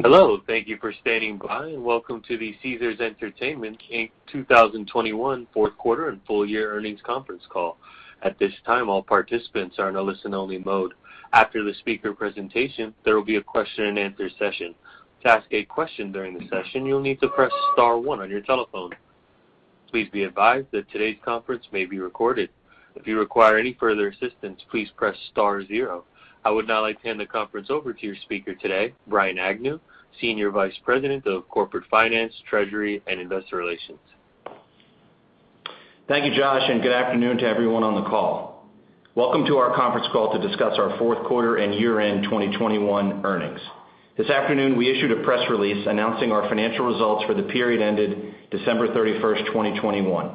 Hello. Thank you for standing by, and welcome to the Caesars Entertainment, Inc. 2021 fourth quarter and full year earnings conference call. At this time, all participants are in a listen only mode. After the speaker presentation, there will be a question and answer session. To ask a question during the session, you'll need to press star one on your telephone. Please be advised that today's conference may be recorded. If you require any further assistance, please press star zero. I would now like to hand the conference over to your speaker today, Brian Agnew, Senior Vice President of Corporate Finance, Treasury, and Investor Relations. Thank you, Josh, and good afternoon to everyone on the call. Welcome to our conference call to discuss our fourth quarter and year-end 2021 earnings. This afternoon, we issued a press release announcing our financial results for the period ended December 31, 2021.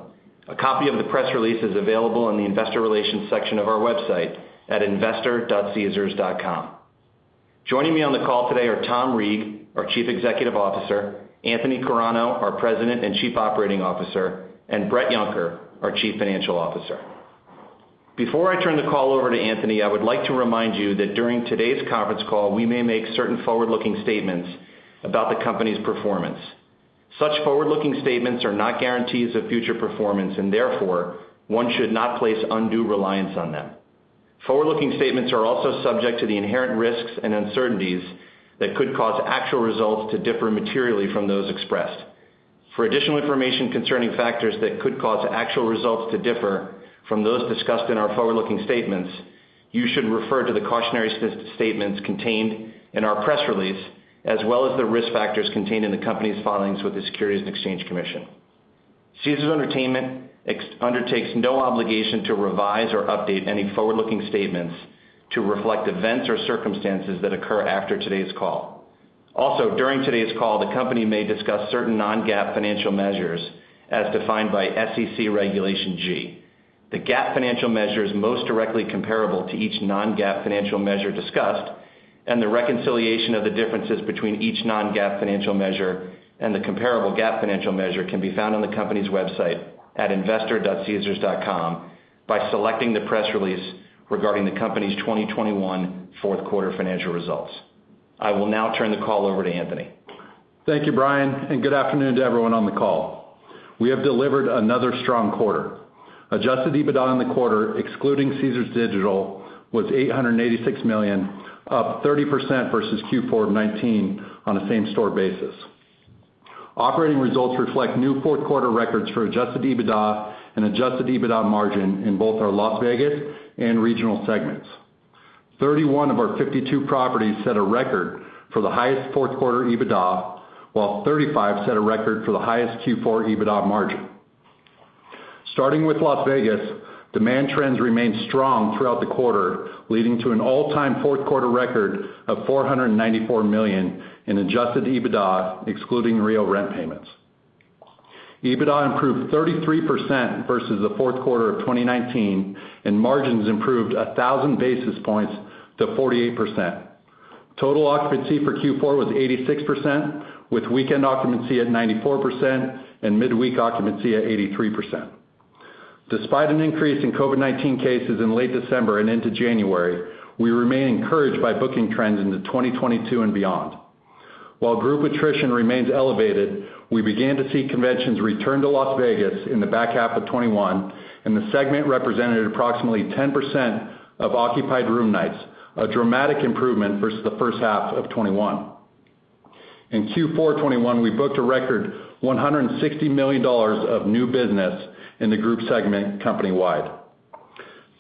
A copy of the press release is available in the investor relations section of our website at investor.caesars.com. Joining me on the call today are Tom Reeg, our Chief Executive Officer, Anthony Carano, our President and Chief Operating Officer, and Bret Yunker, our Chief Financial Officer. Before I turn the call over to Anthony, I would like to remind you that during today's conference call, we may make certain forward-looking statements about the company's performance. Such forward-looking statements are not guarantees of future performance and therefore, one should not place undue reliance on them. Forward-looking statements are also subject to the inherent risks and uncertainties that could cause actual results to differ materially from those expressed. For additional information concerning factors that could cause actual results to differ from those discussed in our forward-looking statements, you should refer to the cautionary statements contained in our press release, as well as the risk factors contained in the company's filings with the Securities and Exchange Commission. Caesars Entertainment undertakes no obligation to revise or update any forward-looking statements to reflect events or circumstances that occur after today's call. Also, during today's call, the company may discuss certain non-GAAP financial measures as defined by SEC Regulation G. The GAAP financial measures most directly comparable to each non-GAAP financial measure discussed and the reconciliation of the differences between each non-GAAP financial measure and the comparable GAAP financial measure can be found on the company's website at investor.caesars.com by selecting the press release regarding the company's 2021 fourth quarter financial results. I will now turn the call over to Anthony. Thank you, Brian, and good afternoon to everyone on the call. We have delivered another strong quarter. Adjusted EBITDA in the quarter, excluding Caesars Digital, was $886 million, up 30% versus Q4 2019 on a same-store basis. Operating results reflect new fourth quarter records for adjusted EBITDA and adjusted EBITDA margin in both our Las Vegas and regional segments. 31 of our 52 properties set a record for the highest fourth quarter EBITDA, while 35 set a record for the highest Q4 EBITDA margin. Starting with Las Vegas, demand trends remained strong throughout the quarter, leading to an all-time fourth quarter record of $494 million in adjusted EBITDA, excluding Rio rent payments. EBITDA improved 33% versus the fourth quarter of 2019, and margins improved 1,000 basis points to 48%. Total occupancy for Q4 was 86%, with weekend occupancy at 94% and midweek occupancy at 83%. Despite an increase in COVID-19 cases in late December and into January, we remain encouraged by booking trends into 2022 and beyond. While group attrition remains elevated, we began to see conventions return to Las Vegas in the back half of 2021, and the segment represented approximately 10% of occupied room nights, a dramatic improvement versus the first half of 2021. In Q4 2021, we booked a record $160 million of new business in the group segment company-wide.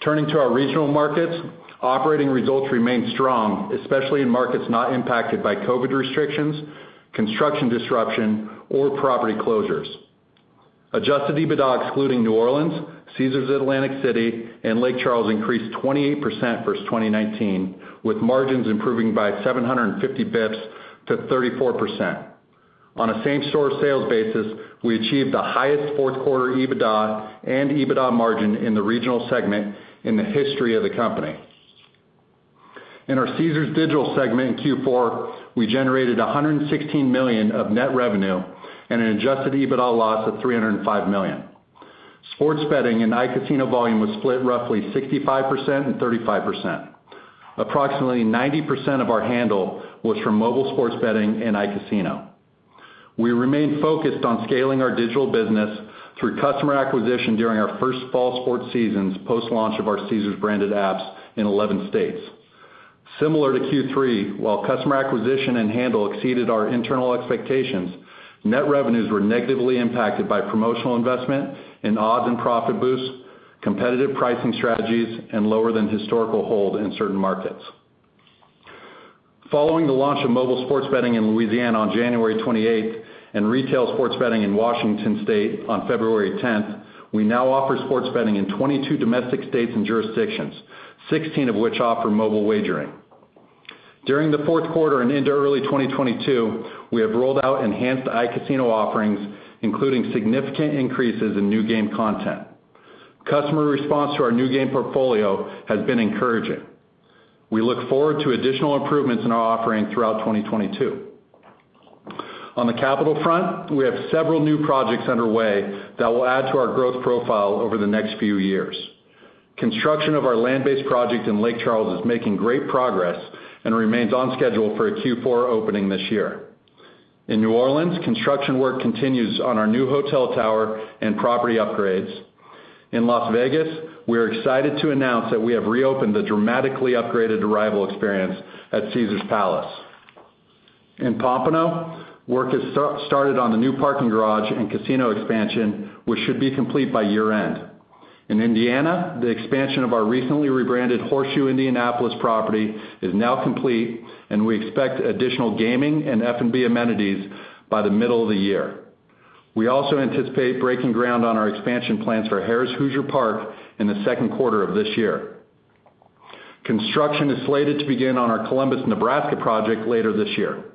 Turning to our regional markets, operating results remained strong, especially in markets not impacted by COVID restrictions, construction disruption, or property closures. Adjusted EBITDA excluding New Orleans, Caesars Atlantic City and Lake Charles increased 28% versus 2019, with margins improving by 750 basis points to 34%. On a same store sales basis, we achieved the highest fourth quarter EBITDA and EBITDA margin in the regional segment in the history of the company. In our Caesars Digital segment in Q4, we generated $116 million of net revenue and an adjusted EBITDA loss of $305 million. Sports betting and iCasino volume was split roughly 65% and 35%. Approximately 90% of our handle was from mobile sports betting and iCasino. We remain focused on scaling our digital business through customer acquisition during our first fall sports seasons post-launch of our Caesars branded apps in 11 states. Similar to Q3, while customer acquisition and handle exceeded our internal expectations, net revenues were negatively impacted by promotional investment in odds and profit boosts, competitive pricing strategies, and lower than historical hold in certain markets. Following the launch of mobile sports betting in Louisiana on January 28th and retail sports betting in Washington state on February 10th, we now offer sports betting in 22 domestic states and jurisdictions, 16 of which offer mobile wagering. During the fourth quarter and into early 2022, we have rolled out enhanced iCasino offerings, including significant increases in new game content. Customer response to our new game portfolio has been encouraging. We look forward to additional improvements in our offering throughout 2022. On the capital front, we have several new projects underway that will add to our growth profile over the next few years. Construction of our land-based project in Lake Charles is making great progress and remains on schedule for a Q4 opening this year. In New Orleans, construction work continues on our new hotel tower and property upgrades. In Las Vegas, we are excited to announce that we have reopened the dramatically upgraded arrival experience at Caesars Palace. In Pompano, work has started on the new parking garage and casino expansion, which should be complete by year-end. In Indiana, the expansion of our recently rebranded Horseshoe Indianapolis property is now complete, and we expect additional gaming and F&B amenities by the middle of the year. We also anticipate breaking ground on our expansion plans for Harrah's Hoosier Park in the second quarter of this year. Construction is slated to begin on our Columbus, Nebraska project later this year.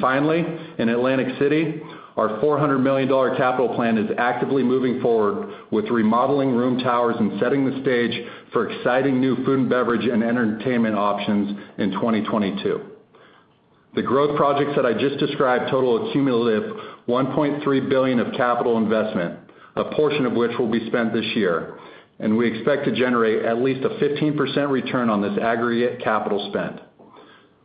Finally, in Atlantic City, our $400 million capital plan is actively moving forward with remodeling room towers and setting the stage for exciting new food and beverage and entertainment options in 2022. The growth projects that I just described total a cumulative $1.3 billion of capital investment, a portion of which will be spent this year, and we expect to generate at least a 15% return on this aggregate capital spend.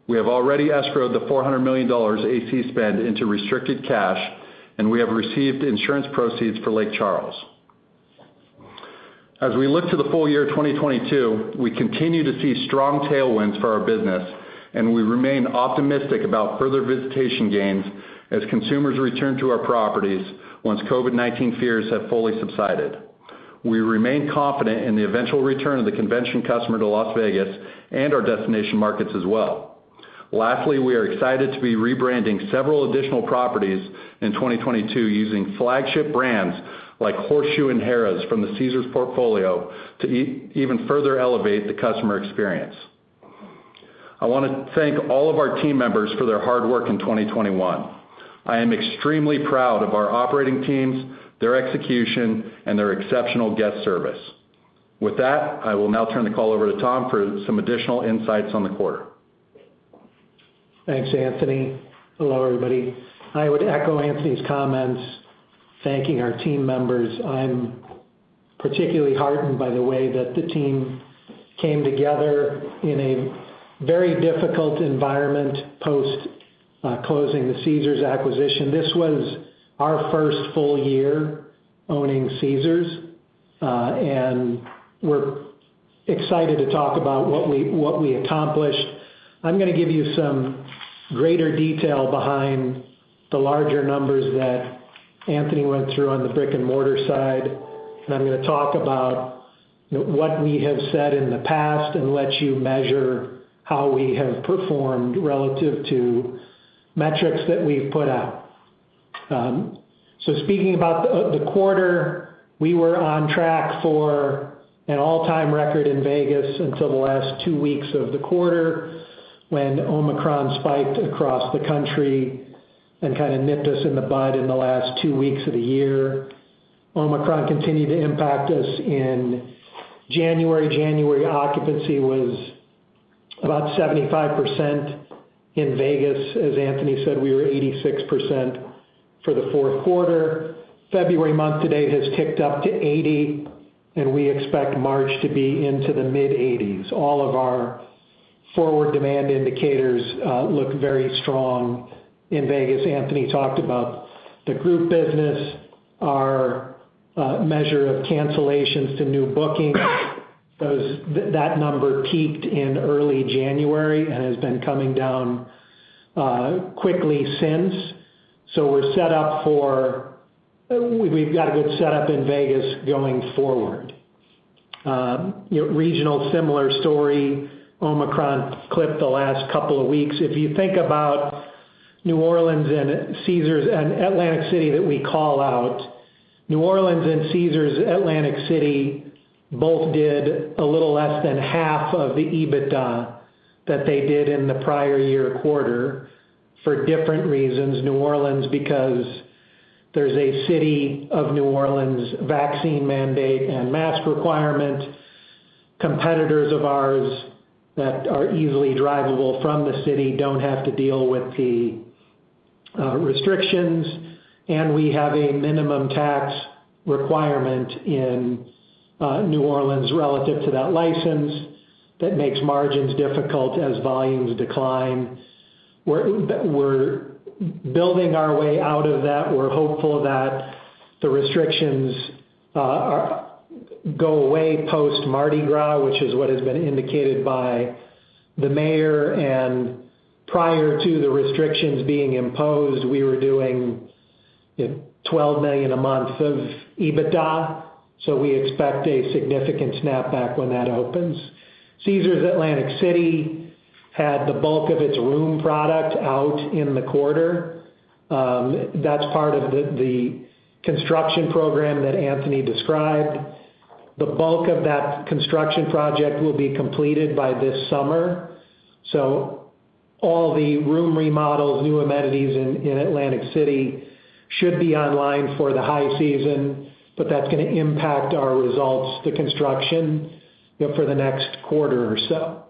We have already escrowed the $400 million AC spend into restricted cash, and we have received insurance proceeds for Lake Charles. As we look to the full year 2022, we continue to see strong tailwinds for our business, and we remain optimistic about further visitation gains as consumers return to our properties once COVID-19 fears have fully subsided. We remain confident in the eventual return of the convention customer to Las Vegas and our destination markets as well. Lastly, we are excited to be rebranding several additional properties in 2022 using flagship brands like Horseshoe and Harrah's from the Caesars portfolio to even further elevate the customer experience. I wanna thank all of our team members for their hard work in 2021. I am extremely proud of our operating teams, their execution, and their exceptional guest service. With that, I will now turn the call over to Tom for some additional insights on the quarter. Thanks, Anthony. Hello, everybody. I would echo Anthony's comments thanking our team members. I'm particularly heartened by the way that the team came together in a very difficult environment post closing the Caesars acquisition. This was our first full year owning Caesars, and we're excited to talk about what we accomplished. I'm gonna give you some greater detail behind the larger numbers that Anthony went through on the brick-and-mortar side, and I'm gonna talk about what we have said in the past and let you measure how we have performed relative to metrics that we've put out. Speaking about the quarter, we were on track for an all-time record in Vegas until the last two weeks of the quarter when Omicron spiked across the country and kinda nipped us in the bud in the last two weeks of the year. Omicron continued to impact us in January. January occupancy was about 75% in Vegas. As Anthony said, we were 86% for the fourth quarter. February month to date has ticked up to 80%, and we expect March to be into the mid-80s. All of our forward demand indicators look very strong in Vegas. Anthony talked about the group business, our measure of cancellations to new bookings. That number peaked in early January and has been coming down quickly since. We've got a good setup in Vegas going forward. Regional, similar story. Omicron clipped the last couple of weeks. If you think about New Orleans and Caesars and Atlantic City that we call out, New Orleans and Caesars Atlantic City both did a little less than half of the EBITDA that they did in the prior year quarter for different reasons. New Orleans because there's a city of New Orleans vaccine mandate and mask requirement. Competitors of ours that are easily drivable from the city don't have to deal with the restrictions, and we have a minimum tax requirement in New Orleans relative to that license that makes margins difficult as volumes decline. We're building our way out of that. We're hopeful that the restrictions go away post Mardi Gras, which is what has been indicated by the mayor, and prior to the restrictions being imposed, we were doing $12 million a month of EBITDA, so we expect a significant snapback when that opens. Caesars Atlantic City had the bulk of its room product out in the quarter. That's part of the construction program that Anthony described. The bulk of that construction project will be completed by this summer. So all the room remodels, new amenities in Atlantic City should be online for the high season, but that's gonna impact our results, the construction. You know, for the next quarter or so.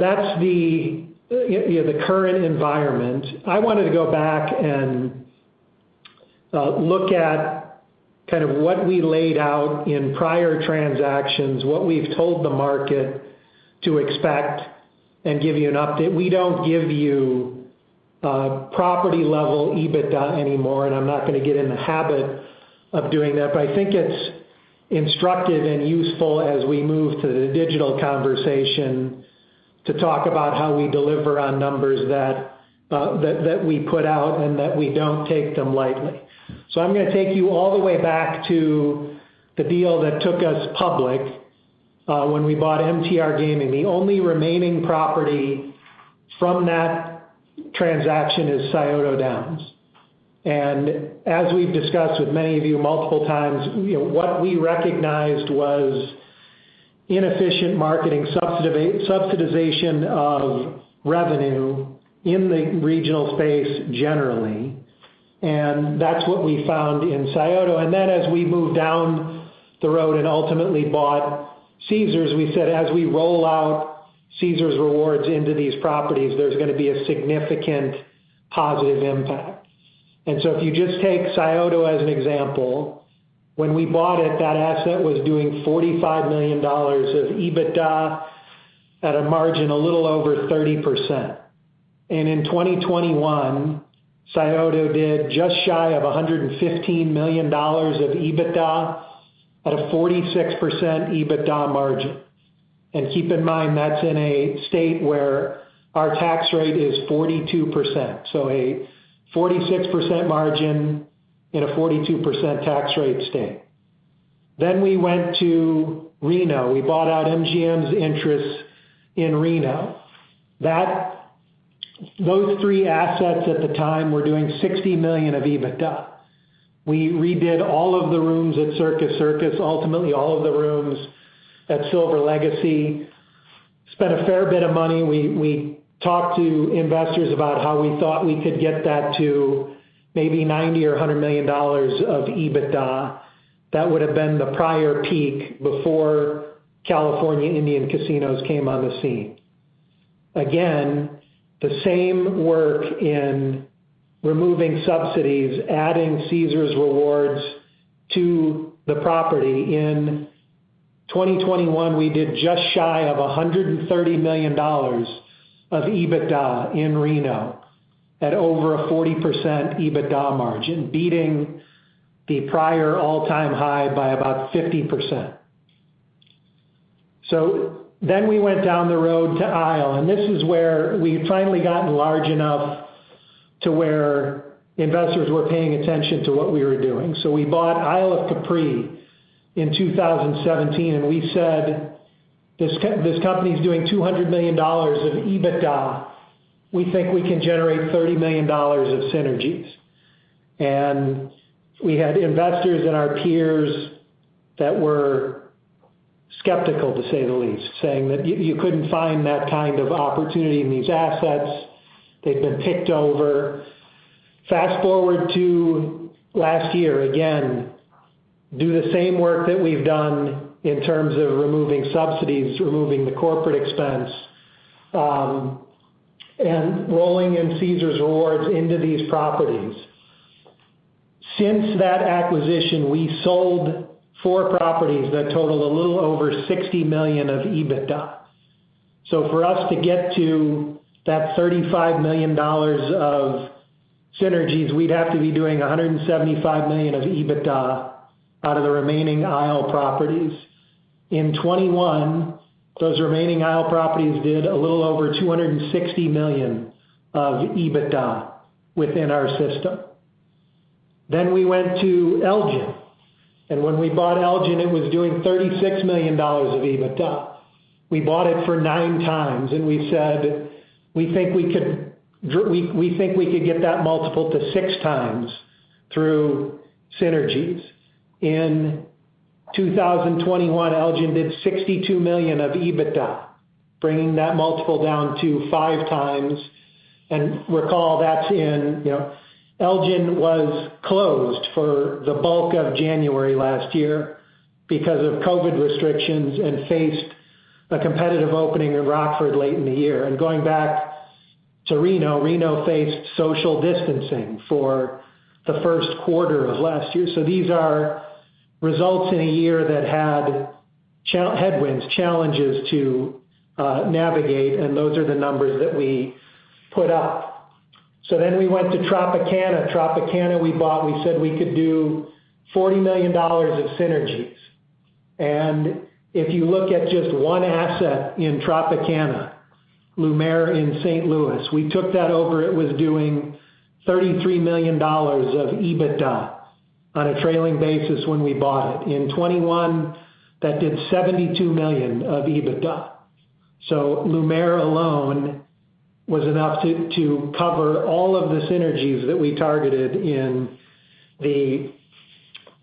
That's the current environment. I wanted to go back and look at kind of what we laid out in prior transactions, what we've told the market to expect, and give you an update. We don't give you property-level EBITDA anymore, and I'm not gonna get in the habit of doing that. I think it's instructive and useful as we move to the digital conversation to talk about how we deliver on numbers that we put out and that we don't take them lightly. I'm gonna take you all the way back to the deal that took us public, when we bought MTR Gaming. The only remaining property from that transaction is Scioto Downs. As we've discussed with many of you multiple times, you know, what we recognized was inefficient marketing subsidization of revenue in the regional space generally, and that's what we found in Scioto. Then as we moved down the road and ultimately bought Caesars, we said as we roll out Caesars Rewards into these properties, there's gonna be a significant positive impact. If you just take Scioto as an example, when we bought it, that asset was doing $45 million of EBITDA at a margin a little over 30%. In 2021, Scioto did just shy of $115 million of EBITDA at a 46% EBITDA margin. Keep in mind, that's in a state where our tax rate is 42%. A 46% margin in a 42% tax rate state. We went to Reno. We bought out MGM's interest in Reno. Those three assets at the time were doing $60 million of EBITDA. We redid all of the rooms at Circus Circus, ultimately all of the rooms at Silver Legacy, and spent a fair bit of money. We talked to investors about how we thought we could get that to maybe $90 million-$100 million of EBITDA. That would have been the prior peak before California Indian casinos came on the scene. Again, the same work in removing subsidies, adding Caesars Rewards to the property. In 2021, we did just shy of $130 million of EBITDA in Reno at over a 40% EBITDA margin, beating the prior all-time high by about 50%. We went down the road to Isle, and this is where we finally gotten large enough to where investors were paying attention to what we were doing. We bought Isle of Capri in 2017, and we said, "This company's doing $200 million of EBITDA. We think we can generate $30 million of synergies." We had investors and our peers that were skeptical, to say the least, saying that you couldn't find that kind of opportunity in these assets. They've been picked over. Fast-forward to last year. Again, do the same work that we've done in terms of removing subsidies, removing the corporate expense, and rolling in Caesars Rewards into these properties. Since that acquisition, we sold four properties that totaled a little over $60 million of EBITDA. For us to get to that $35 million of synergies, we'd have to be doing $175 million of EBITDA out of the remaining Isle properties. In 2021, those remaining Isle properties did a little over $260 million of EBITDA within our system. We went to Elgin, and when we bought Elgin, it was doing $36 million of EBITDA. We bought it for 9x, and we said, "We think we could get that multiple to 6x through synergies." In 2021, Elgin did $62 million of EBITDA, bringing that multiple down to 5x. Recall, that's in Elgin was closed for the bulk of January last year because of COVID restrictions and faced a competitive opening in Rockford late in the year. Going back to Reno faced social distancing for the first quarter of last year. These are results in a year that had headwinds, challenges to navigate, and those are the numbers that we put up. We went to Tropicana. Tropicana, we bought, we said we could do $40 million of synergies. If you look at just one asset in Tropicana, Lumière in St. Louis, we took that over, it was doing $33 million of EBITDA on a trailing basis when we bought it. In 2021, that did $72 million of EBITDA. Lumière alone was enough to cover all of the synergies that we targeted in the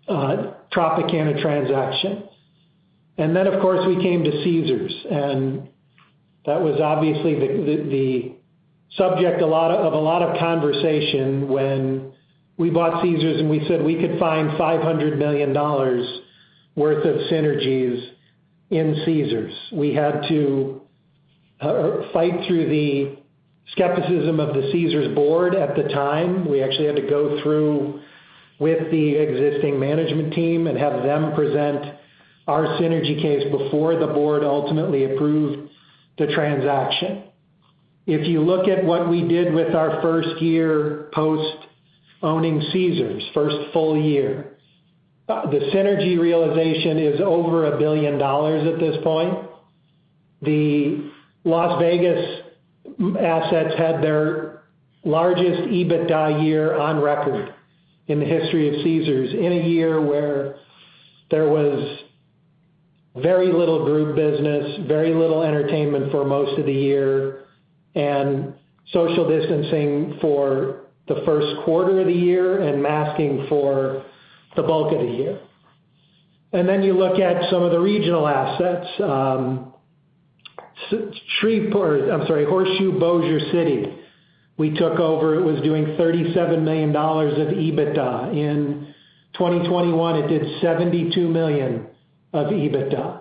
Tropicana transaction. Then, of course, we came to Caesars. That was obviously the subject of a lot of conversation when we bought Caesars and we said we could find $500 million worth of synergies in Caesars. We had to fight through the skepticism of the Caesars board at the time. We actually had to go through with the existing management team and have them present our synergy case before the board ultimately approved the transaction. If you look at what we did with our first year post owning Caesars, first full year, the synergy realization is over $1 billion at this point. The Las Vegas assets had their largest EBITDA year on record in the history of Caesars in a year where there was very little group business, very little entertainment for most of the year, and social distancing for the first quarter of the year and masking for the bulk of the year. You look at some of the regional assets. I'm sorry, Horseshoe Bossier City, we took over, it was doing $37 million of EBITDA. In 2021, it did $72 million of EBITDA.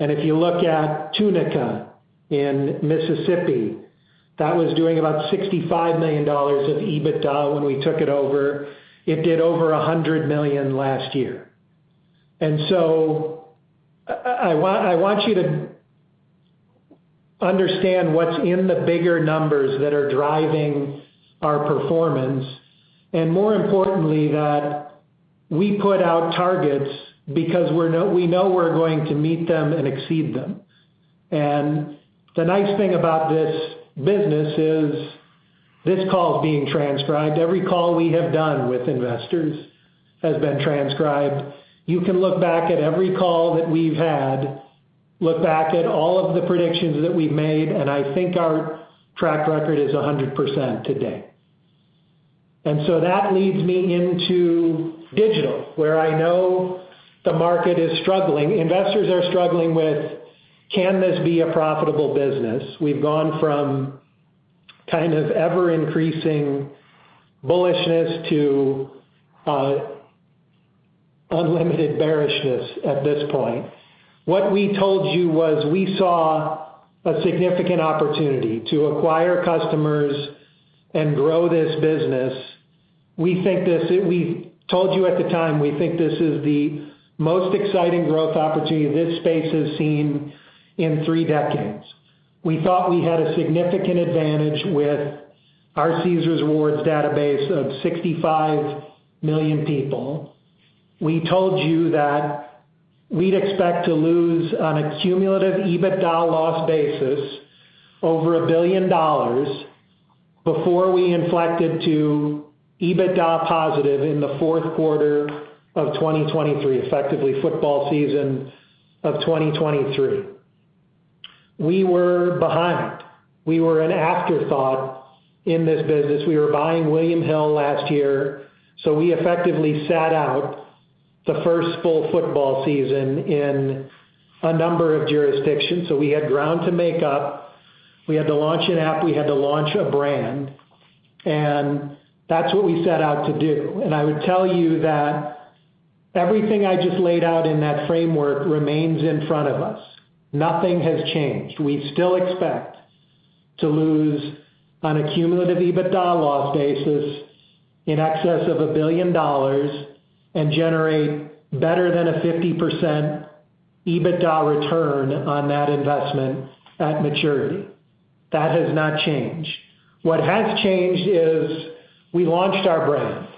If you look at Tunica in Mississippi, that was doing about $65 million of EBITDA when we took it over. It did over $100 million last year. I want you to understand what's in the bigger numbers that are driving our performance, and more importantly, that we put out targets because we know we're going to meet them and exceed them. The nice thing about this business is this call is being transcribed. Every call we have done with investors has been transcribed. You can look back at every call that we've had, look back at all of the predictions that we've made, and I think our track record is 100% today. That leads me into digital, where I know the market is struggling. Investors are struggling with, can this be a profitable business? We've gone from kind of ever-increasing bullishness to unlimited bearishness at this point. What we told you was we saw a significant opportunity to acquire customers and grow this business. We told you at the time, we think this is the most exciting growth opportunity this space has seen in three decades. We thought we had a significant advantage with our Caesars Rewards database of 65 million people. We told you that we'd expect to lose on a cumulative EBITDA loss basis over $1 billion before we inflected to EBITDA positive in the fourth quarter of 2023, effectively football season of 2023. We were behind. We were an afterthought in this business. We were buying William Hill last year, so we effectively sat out the first full football season in a number of jurisdictions, so we had ground to make up. We had to launch an app, we had to launch a brand, and that's what we set out to do. I would tell you that everything I just laid out in that framework remains in front of us. Nothing has changed. We still expect to lose on a cumulative EBITDA loss basis in excess of $1 billion and generate better than 50% EBITDA return on that investment at maturity. That has not changed. What has changed is we launched our brand,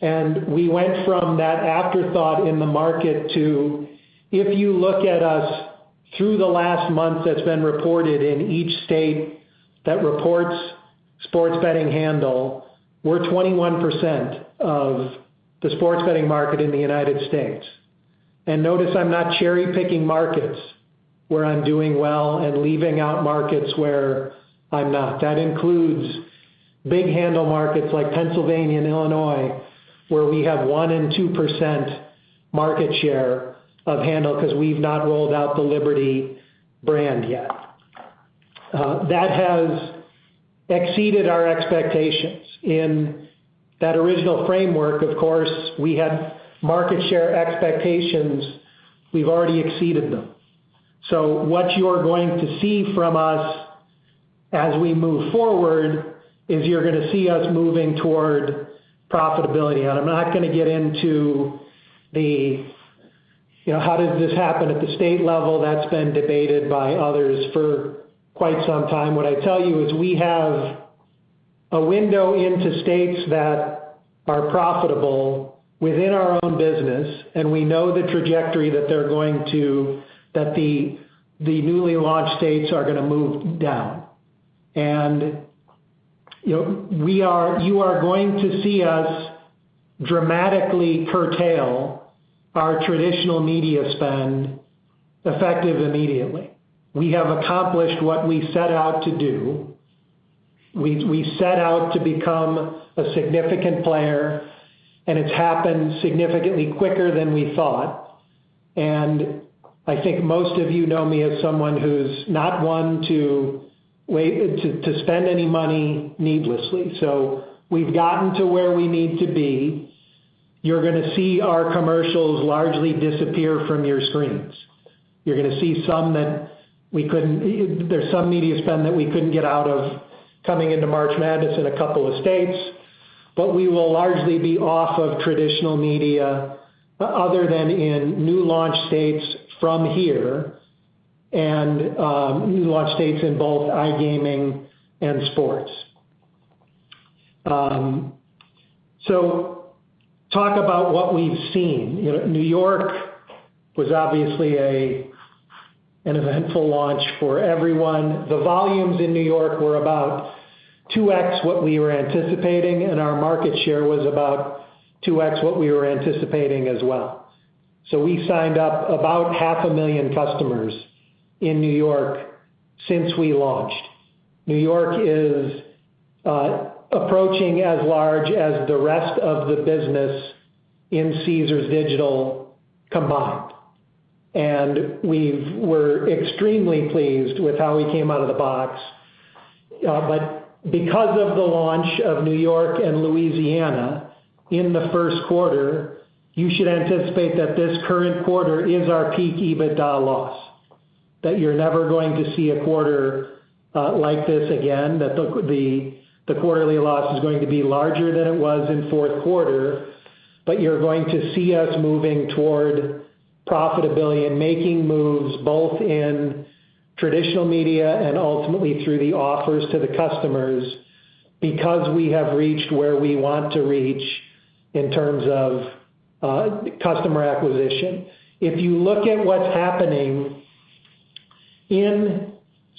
and we went from that afterthought in the market to, if you look at us through the last month that's been reported in each state that reports sports betting handle, we're 21% of the sports betting market in the United States. Notice I'm not cherry-picking markets where I'm doing well and leaving out markets where I'm not. That includes big handle markets like Pennsylvania and Illinois, where we have 1% and 2% market share of handle because we've not rolled out the Liberty brand yet. That has exceeded our expectations. In that original framework, of course, we had market share expectations. We've already exceeded them. What you're going to see from us as we move forward is you're gonna see us moving toward profitability. I'm not gonna get into the, you know, how does this happen at the state level. That's been debated by others for quite some time. What I tell you is we have a window into states that are profitable within our own business, and we know the trajectory that the newly launched states are gonna move down. You know, you are going to see us dramatically curtail our traditional media spend effective immediately. We have accomplished what we set out to do. We set out to become a significant player, and it's happened significantly quicker than we thought. I think most of you know me as someone who's not one to spend any money needlessly. We've gotten to where we need to be. You're gonna see our commercials largely disappear from your screens. You're gonna see some that we couldn't. There's some media spend that we couldn't get out of coming into March Madness in a couple of states. We will largely be off of traditional media other than in new launch states from here and new launch states in both iGaming and sports. Talk about what we've seen. You know, New York was obviously an eventful launch for everyone. The volumes in New York were about 2x what we were anticipating, and our market share was about 2x what we were anticipating as well. We signed up about 500,000 customers in New York since we launched. New York is approaching as large as the rest of the business in Caesars Digital combined. We're extremely pleased with how we came out of the box. Because of the launch of New York and Louisiana in the first quarter, you should anticipate that this current quarter is our peak EBITDA loss, that you're never going to see a quarter like this again, that the quarterly loss is going to be larger than it was in fourth quarter. You're going to see us moving toward profitability and making moves both in traditional media and ultimately through the offers to the customers because we have reached where we want to reach in terms of customer acquisition. If you look at what's happening in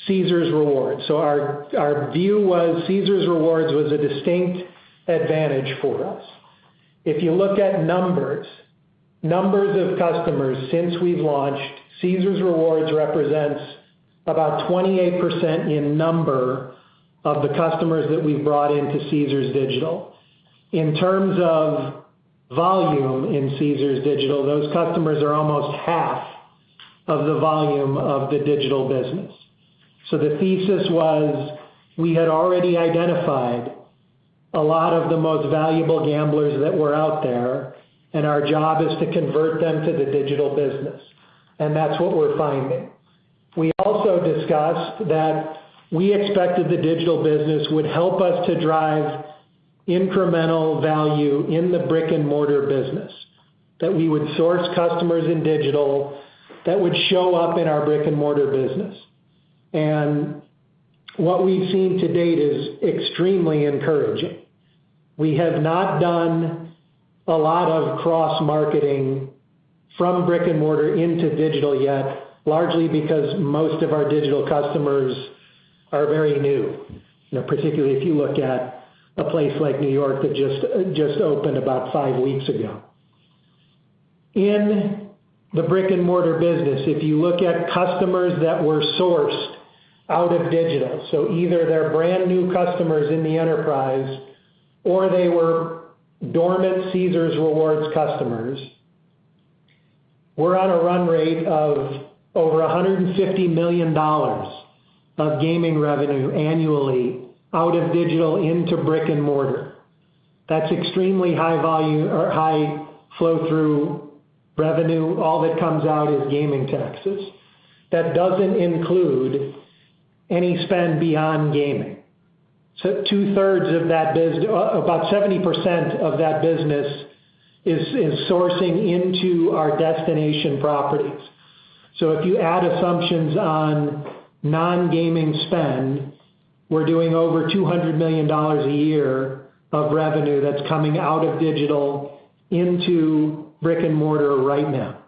Caesars Rewards. Our view was Caesars Rewards was a distinct advantage for us. If you look at numbers of customers since we've launched, Caesars Rewards represents about 28% in number of the customers that we've brought into Caesars Digital. In terms of volume in Caesars Digital, those customers are almost half of the volume of the digital business. The thesis was we had already identified a lot of the most valuable gamblers that were out there, and our job is to convert them to the digital business. That's what we're finding. We also discussed that we expected the digital business would help us to drive incremental value in the brick-and-mortar business, that we would source customers in digital that would show up in our brick-and-mortar business. What we've seen to date is extremely encouraging. We have not done a lot of cross-marketing from brick-and-mortar into digital yet, largely because most of our digital customers are very new. You know, particularly if you look at a place like New York that just opened about five weeks ago. In the brick-and-mortar business, if you look at customers that were sourced out of digital, so either they're brand new customers in the enterprise or they were dormant Caesars Rewards customers, we're on a run rate of over $150 million of gaming revenue annually out of digital into brick and mortar. That's extremely high value or high flow through revenue. All that comes out is gaming taxes. That doesn't include any spend beyond gaming. Two-thirds of that business. About 70% of that business is sourcing into our destination properties. If you add assumptions on non-gaming spend, we're doing over $200 million a year of revenue that's coming out of digital into brick and mortar right now.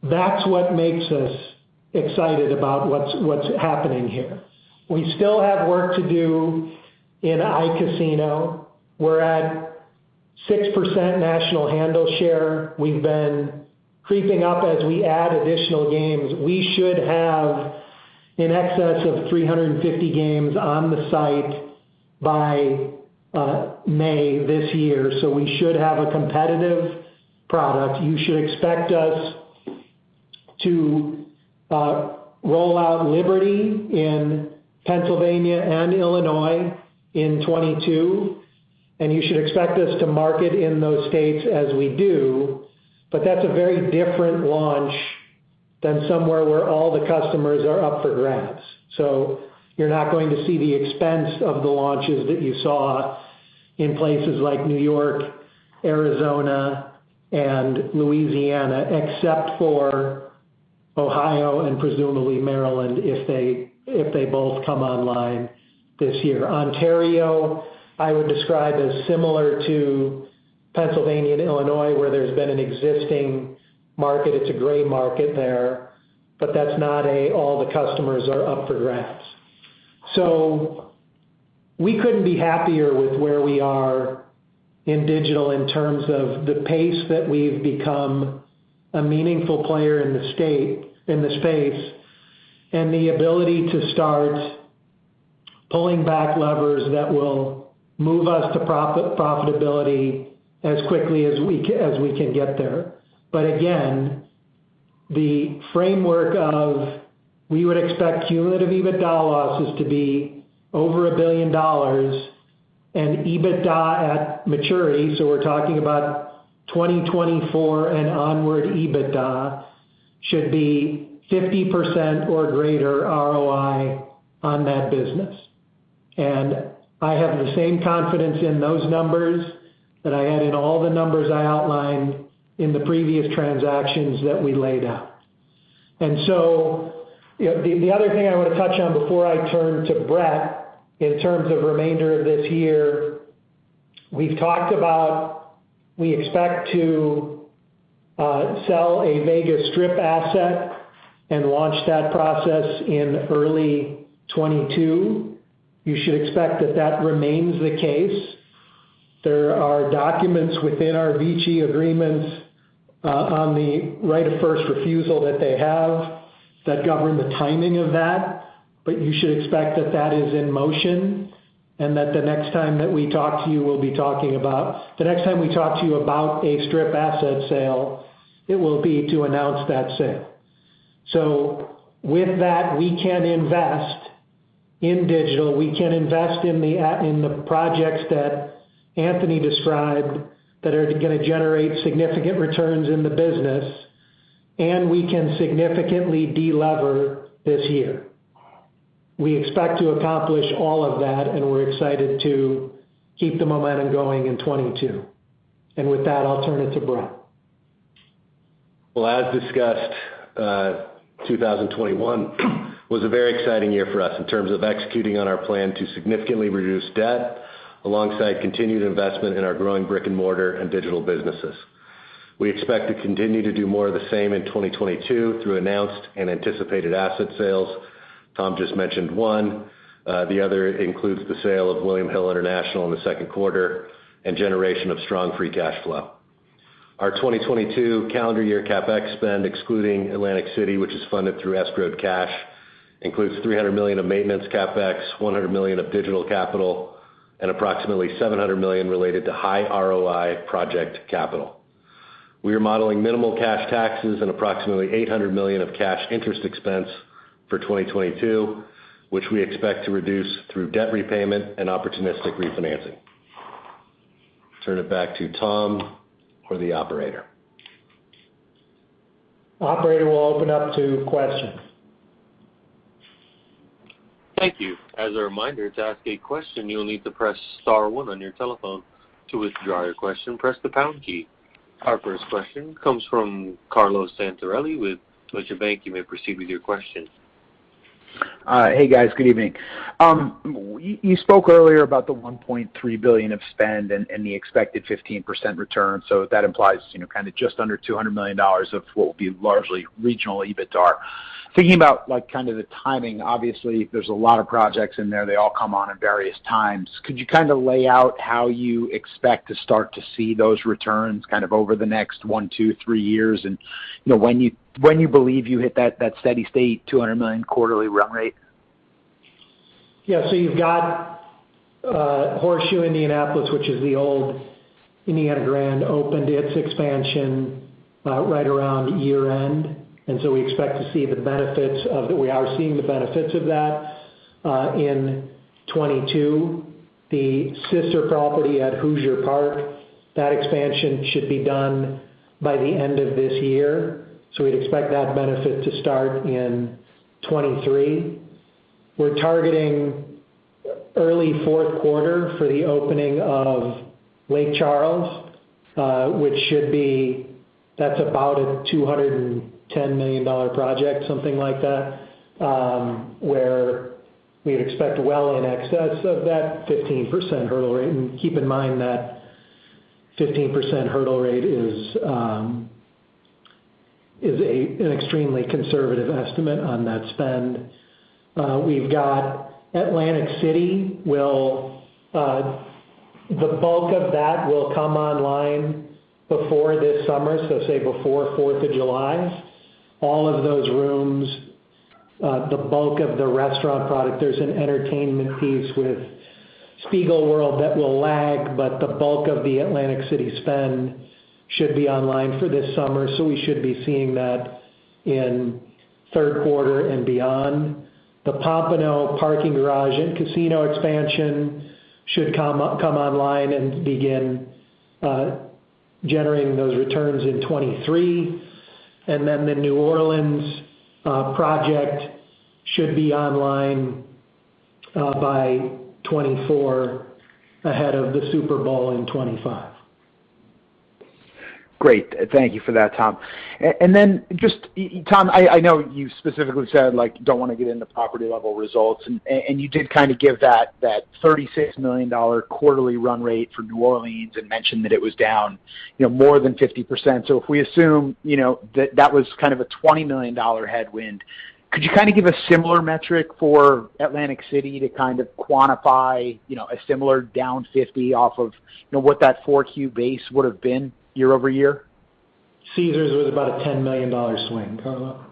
That's what makes us excited about what's happening here. We still have work to do in iCasino. We're at 6% national handle share. We've been creeping up as we add additional games. We should have in excess of 350 games on the site by May this year. We should have a competitive product. You should expect us to roll out Liberty in Pennsylvania and Illinois in 2022, and you should expect us to market in those states as we do. That's a very different launch than somewhere where all the customers are up for grabs. You're not going to see the expense of the launches that you saw in places like New York, Arizona, and Louisiana, except for Ohio and presumably Maryland, if they both come online this year. Ontario, I would describe as similar to Pennsylvania and Illinois, where there's been an existing market. It's a gray market there, but that's not all the customers are up for grabs. We couldn't be happier with where we are in digital in terms of the pace that we've become a meaningful player in the space, and the ability to start pulling back levers that will move us to profitability as quickly as we can get there. But again, the framework of we would expect cumulative EBITDA losses to be over $1 billion and EBITDA at maturity, so we're talking about 2024 and onward EBITDA, should be 50% or greater ROI on that business. I have the same confidence in those numbers that I had in all the numbers I outlined in the previous transactions that we laid out. You know, the other thing I want to touch on before I turn to Bret, in terms of remainder of this year, we've talked about we expect to sell a Vegas Strip asset and launch that process in early 2022. You should expect that that remains the case. There are documents within our VICI agreements on the right of first refusal that they have that govern the timing of that. You should expect that that is in motion and that the next time we talk to you about a Strip asset sale, it will be to announce that sale. With that, we can invest in digital, we can invest in the projects that Anthony described that are gonna generate significant returns in the business, and we can significantly de-lever this year. We expect to accomplish all of that, and we're excited to keep the momentum going in 2022. With that, I'll turn it to Bret. Well, as discussed, 2021 was a very exciting year for us in terms of executing on our plan to significantly reduce debt alongside continued investment in our growing brick-and-mortar and digital businesses. We expect to continue to do more of the same in 2022 through announced and anticipated asset sales. Tom just mentioned one, the other includes the sale of William Hill International in the second quarter and generation of strong free cash flow. Our 2022 calendar year CapEx spend, excluding Atlantic City, which is funded through escrowed cash, includes $300 million of maintenance CapEx, $100 million of digital capital, and approximately $700 million related to high ROI project capital. We are modeling minimal cash taxes and approximately $800 million of cash interest expense for 2022, which we expect to reduce through debt repayment and opportunistic refinancing. Turn it back to Tom or the operator. Operator will open up to questions. Thank you. As a reminder, to ask a question, you'll need to press star one on your telephone. To withdraw your question, press the pound key. Our first question comes from Carlo Santarelli with Deutsche Bank. You may proceed with your question. Hey, guys. Good evening. You spoke earlier about the $1.3 billion of spend and the expected 15% return, so that implies, you know, kind of just under $200 million of what will be largely regional EBITDAR. Thinking about, like, kind of the timing, obviously there's a lot of projects in there. They all come on at various times. Could you kind of lay out how you expect to start to see those returns kind of over the next one to three years and, you know, when you believe you hit that steady state $200 million quarterly run rate? Yeah. You've got Horseshoe Indianapolis, which is the old Indiana Grand, opened its expansion right around year-end. We expect to see the benefits of that. We are seeing the benefits of that in 2022. The sister property at Hoosier Park, that expansion should be done by the end of this year, so we'd expect that benefit to start in 2023. We're targeting early fourth quarter for the opening of Lake Charles, which should be. That's about a $210 million project, something like that, where we'd expect well in excess of that 15% hurdle rate. Keep in mind that 15% hurdle rate is an extremely conservative estimate on that spend. We've got Atlantic City, the bulk of that will come online before this summer, so say before Fourth of July. All of those rooms, the bulk of the restaurant product, there's an entertainment piece with Spiegelworld that will lag, but the bulk of the Atlantic City spend should be online for this summer, so we should be seeing that in third quarter and beyond. The Pompano parking garage and casino expansion should come online and begin generating those returns in 2023. Then the New Orleans project should be online by 2024, ahead of the Super Bowl in 2025. Great. Thank you for that, Tom. And then just, Tom, I know you specifically said, like, don't wanna get into property level results, and you did kind of give that thirty-six million dollar quarterly run rate for New Orleans and mentioned that it was down, you know, more than 50%. So if we assume, you know, that that was kind of a $20 million headwind, could you kind of give a similar metric for Atlantic City to kind of quantify, you know, a similar down 50% off of, you know, what that 4Q base would have been year-over-year? Caesars was about a $10 million swing, Carlo.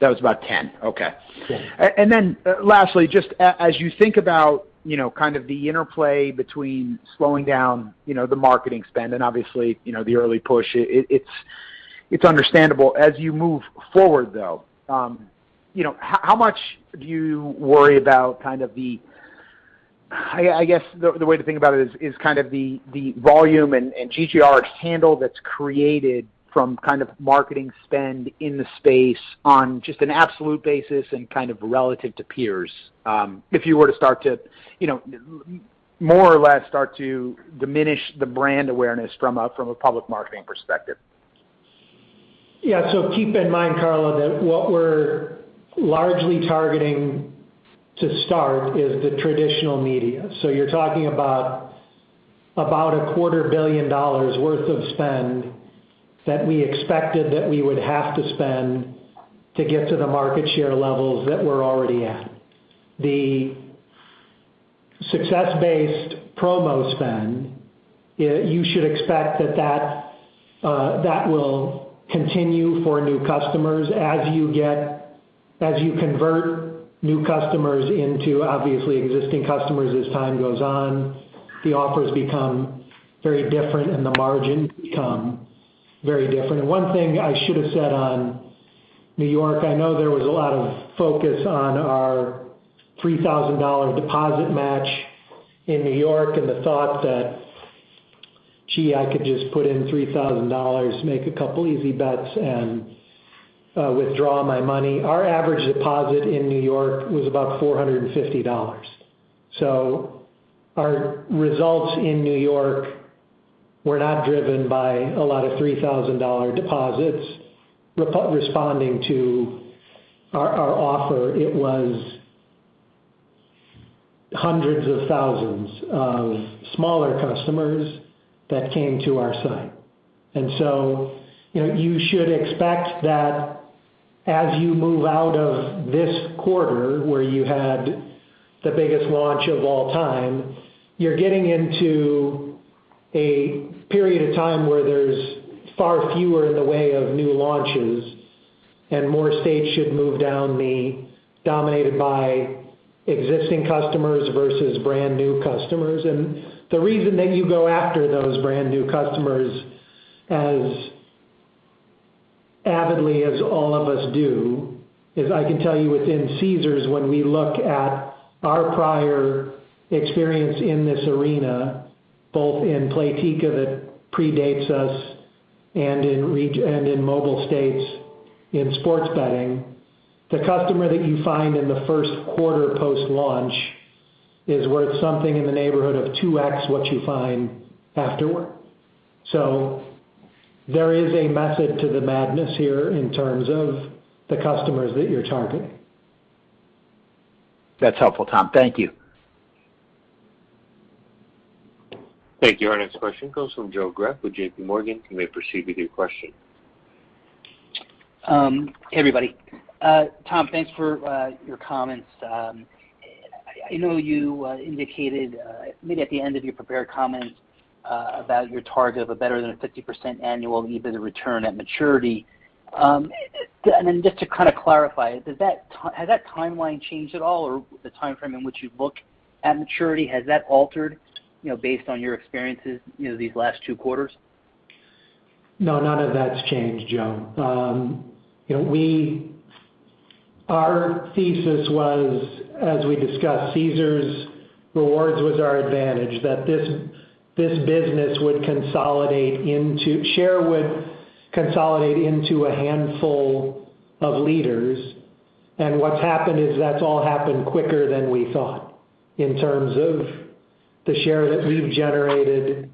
That was about 10, okay. Yeah. Lastly, just as you think about, you know, kind of the interplay between slowing down, you know, the marketing spend and obviously, you know, the early push, it's understandable as you move forward, though, you know, how much do you worry about kind of the, I guess, the way to think about it is kind of the volume and GGR handle that's created from kind of marketing spend in the space on just an absolute basis and kind of relative to peers, if you were to start to, you know, more or less start to diminish the brand awareness from a public marketing perspective. Yeah. Keep in mind, Carlo, that what we're largely targeting to start is the traditional media. You're talking about a quarter billion dollars worth of spend that we expected that we would have to spend to get to the market share levels that we're already at. The success-based promo spend, you should expect that that will continue for new customers. As you convert new customers into, obviously, existing customers as time goes on, the offers become very different and the margin become very different. One thing I should have said on New York, I know there was a lot of focus on our $3,000 deposit match in New York and the thought that, "Gee, I could just put in $3,000, make a couple easy bets and withdraw my money." Our average deposit in New York was about $450. Our results in New York were not driven by a lot of $3,000 deposits responding to our offer. It was hundreds of thousands of smaller customers that came to our site. You know, you should expect that as you move out of this quarter, where you had the biggest launch of all time, you're getting into a period of time where there's far fewer in the way of new launches and more states should move down the dominated by existing customers versus brand-new customers. The reason that you go after those brand-new customers as avidly as all of us do is I can tell you within Caesars, when we look at our prior experience in this arena, both in Playtika that predates us and in mobile states in sports betting, the customer that you find in the first quarter post-launch is worth something in the neighborhood of 2x what you find afterward. There is a method to the madness here in terms of the customers that you're targeting. That's helpful, Tom. Thank you. Thank you. Our next question comes from Joe Greff with J.P. Morgan. You may proceed with your question. Hey, everybody. Tom, thanks for your comments. I know you indicated maybe at the end of your prepared comments about your target of a better than 50% annual EBITDA return at maturity. Just to kind of clarify, has that timeline changed at all or the timeframe in which you look at maturity, has that altered, you know, based on your experiences, you know, these last two quarters? No, none of that's changed, Joe. You know, our thesis was, as we discussed, Caesars Rewards was our advantage, that this business would consolidate, share would consolidate into a handful of leaders. What's happened is that's all happened quicker than we thought in terms of the share that we've generated,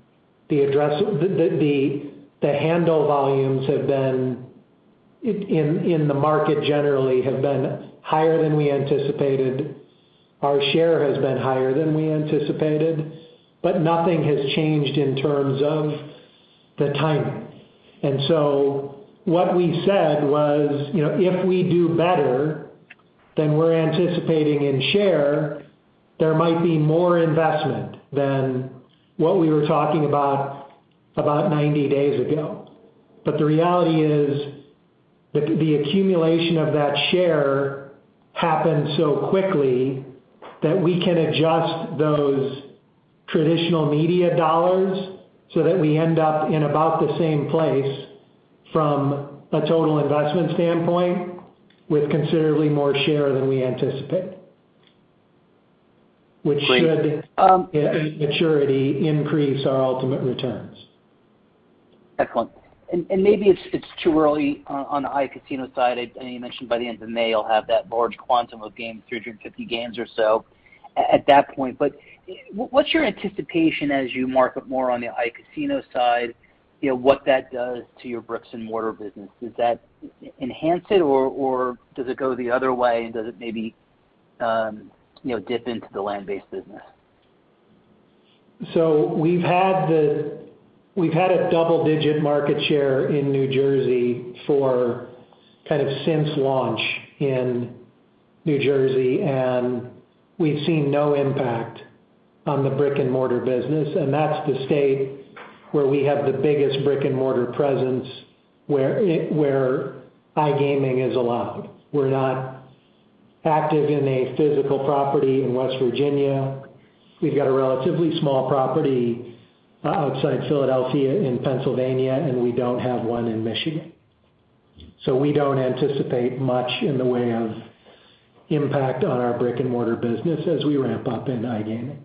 the addressable handle volumes have been in the market generally have been higher than we anticipated. Our share has been higher than we anticipated, but nothing has changed in terms of the timing. What we said was, you know, if we do better than we're anticipating in share, there might be more investment than what we were talking about about 90 days ago. The reality is the accumulation of that share happened so quickly that we can adjust those traditional media dollars so that we end up in about the same place from a total investment standpoint with considerably more share than we anticipate. Great. Which should, at maturity, increase our ultimate returns. Excellent. Maybe it's too early on the iCasino side. I know you mentioned by the end of May you'll have that large quantum of games, 350 games or so at that point, but what's your anticipation as you market more on the iCasino side, you know, what that does to your bricks and mortar business? Does that enhance it or does it go the other way? Does it maybe, you know, dip into the land-based business? We've had a double-digit market share in New Jersey for kind of since launch in New Jersey, and we've seen no impact on the brick-and-mortar business. That's the state where we have the biggest brick-and-mortar presence where iGaming is allowed. We're not active in a physical property in West Virginia. We've got a relatively small property outside Philadelphia in Pennsylvania, and we don't have one in Michigan. We don't anticipate much in the way of impact on our brick-and-mortar business as we ramp up in iGaming.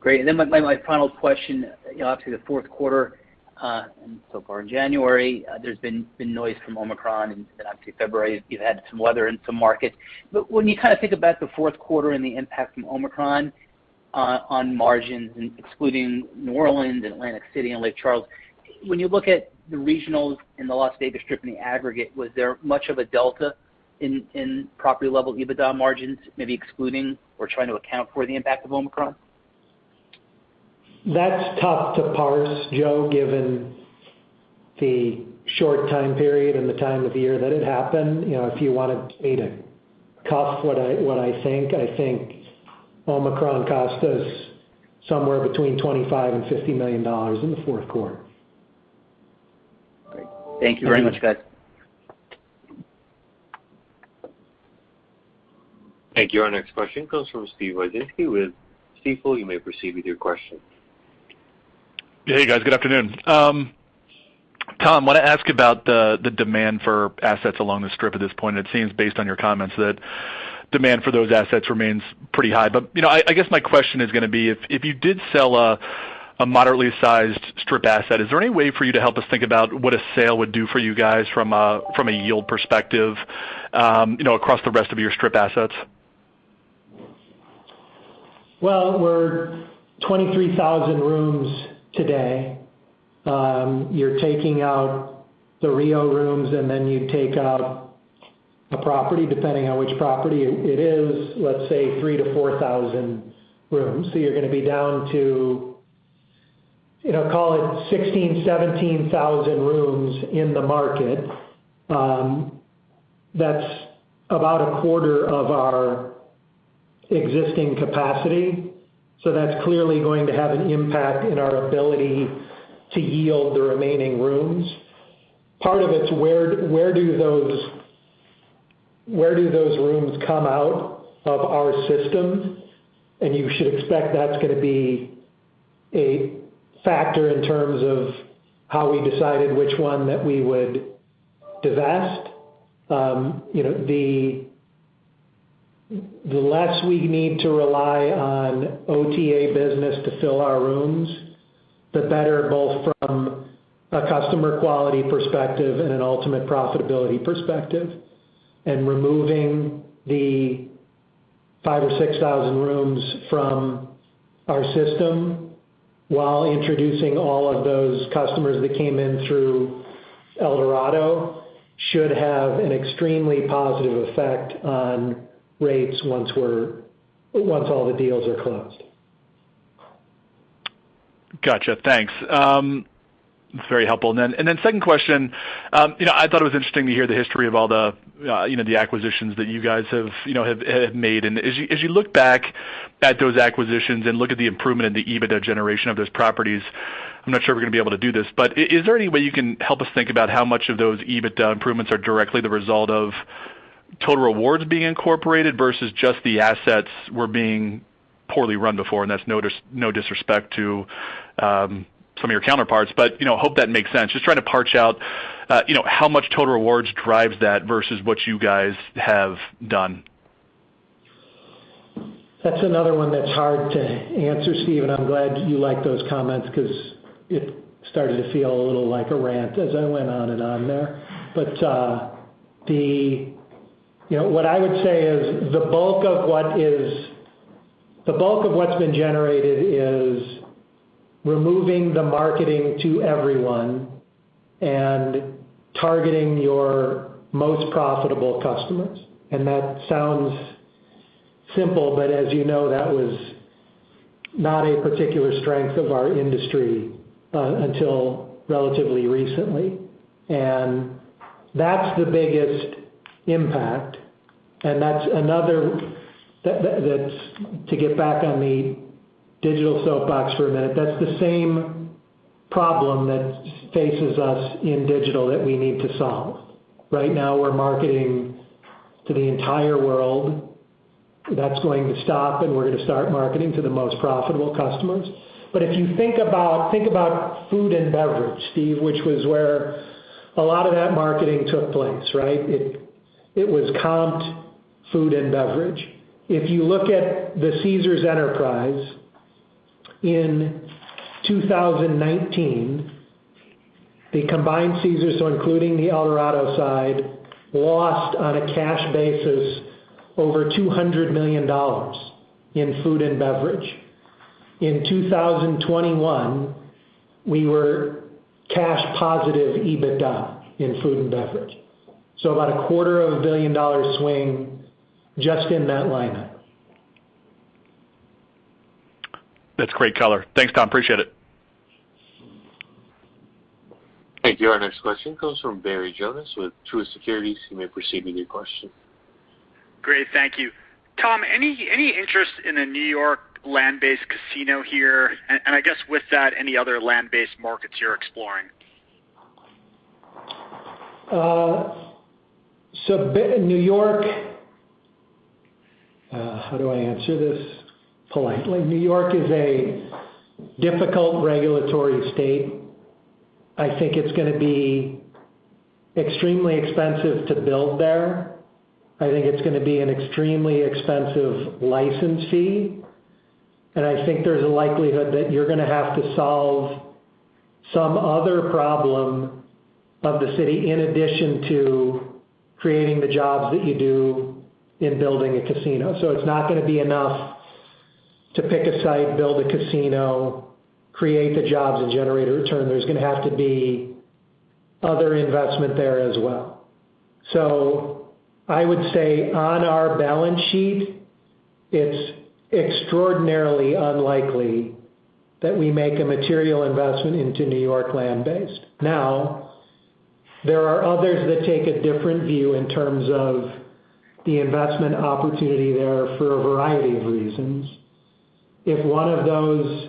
Great. My final question. You know, obviously, the fourth quarter and so far in January, there's been noise from Omicron, and then obviously February you've had some weather in some markets. But when you kind of think about the fourth quarter and the impact from Omicron on margins and excluding New Orleans and Atlantic City and Lake Charles, when you look at the regionals in the Las Vegas Strip in the aggregate, was there much of a delta in property level EBITDA margins, maybe excluding or trying to account for the impact of Omicron? That's tough to parse, Joe, given the short time period and the time of year that it happened. You know, if you wanted me to off the cuff what I think, I think Omicron cost us somewhere between $25 million and $50 million in the fourth quarter. Great. Thank you very much, guys. Thank you. Our next question comes from Steve Wieczynski with Stifel. You may proceed with your question. Hey, guys. Good afternoon. Tom, I wanna ask about the demand for assets along the Strip at this point. It seems based on your comments that demand for those assets remains pretty high. You know, I guess my question is gonna be if you did sell a moderately sized Strip asset, is there any way for you to help us think about what a sale would do for you guys from a yield perspective, you know, across the rest of your Strip assets? Well, we're 23,000 rooms today. You're taking out the Rio rooms, and then you take out a property, depending on which property it is, let's say 3,000-4,000 rooms. You're gonna be down to, you know, call it 16,000-17,000 rooms in the market. That's about a quarter of our existing capacity. That's clearly going to have an impact in our ability to yield the remaining rooms. Part of it's where do those rooms come out of our system? You should expect that's gonna be a factor in terms of how we decided which one that we would divest. You know, the less we need to rely on OTA business to fill our rooms, the better both from a customer quality perspective and an ultimate profitability perspective. Removing the 5 or 6 thousand rooms from our system while introducing all of those customers that came in through Eldorado should have an extremely positive effect on rates once all the deals are closed. Gotcha. Thanks. That's very helpful. Second question. You know, I thought it was interesting to hear the history of all the, you know, the acquisitions that you guys have made. As you look back at those acquisitions and look at the improvement in the EBITDA generation of those properties, I'm not sure we're gonna be able to do this, but is there any way you can help us think about how much of those EBITDA improvements are directly the result of Total Rewards being incorporated versus just the assets were being poorly run before? That's no disrespect to some of your counterparts. You know, hope that makes sense. Just trying to parse out, you know, how much Total Rewards drives that versus what you guys have done. That's another one that's hard to answer, Steve. I'm glad you like those comments 'cause it started to feel a little like a rant as I went on and on there. You know, what I would say is the bulk of what's been generated is removing the marketing to everyone and targeting your most profitable customers. That sounds simple, but as you know, that was not a particular strength of our industry until relatively recently. That's the biggest impact. That's another. To get back on the digital soapbox for a minute, that's the same problem that faces us in digital that we need to solve. Right now we're marketing to the entire world. That's going to stop, and we're gonna start marketing to the most profitable customers. If you think about food and beverage, Steve, which was where a lot of that marketing took place, right? It was comped food and beverage. If you look at the Caesars Entertainment in 2019, the combined Caesars, so including the Eldorado side, lost on a cash basis over $200 million in food and beverage. In 2021, we were cash positive EBITDA in food and beverage. About a quarter of a billion dollar swing just in that line item. That's great color. Thanks, Tom. I appreciate it. Thank you. Our next question comes from Barry Jonas with Truist Securities. You may proceed with your question. Great. Thank you. Tom, any interest in a New York land-based casino here? I guess with that, any other land-based markets you're exploring? New York. How do I answer this politely? New York is a difficult regulatory state. I think it's gonna be extremely expensive to build there. I think it's gonna be an extremely expensive license fee, and I think there's a likelihood that you're gonna have to solve some other problem of the city in addition to creating the jobs that you do in building a casino. It's not gonna be enough to pick a site, build a casino, create the jobs and generate a return. There's gonna have to be other investment there as well. I would say on our balance sheet, it's extraordinarily unlikely that we make a material investment into New York land-based. Now, there are others that take a different view in terms of the investment opportunity there for a variety of reasons. If one of those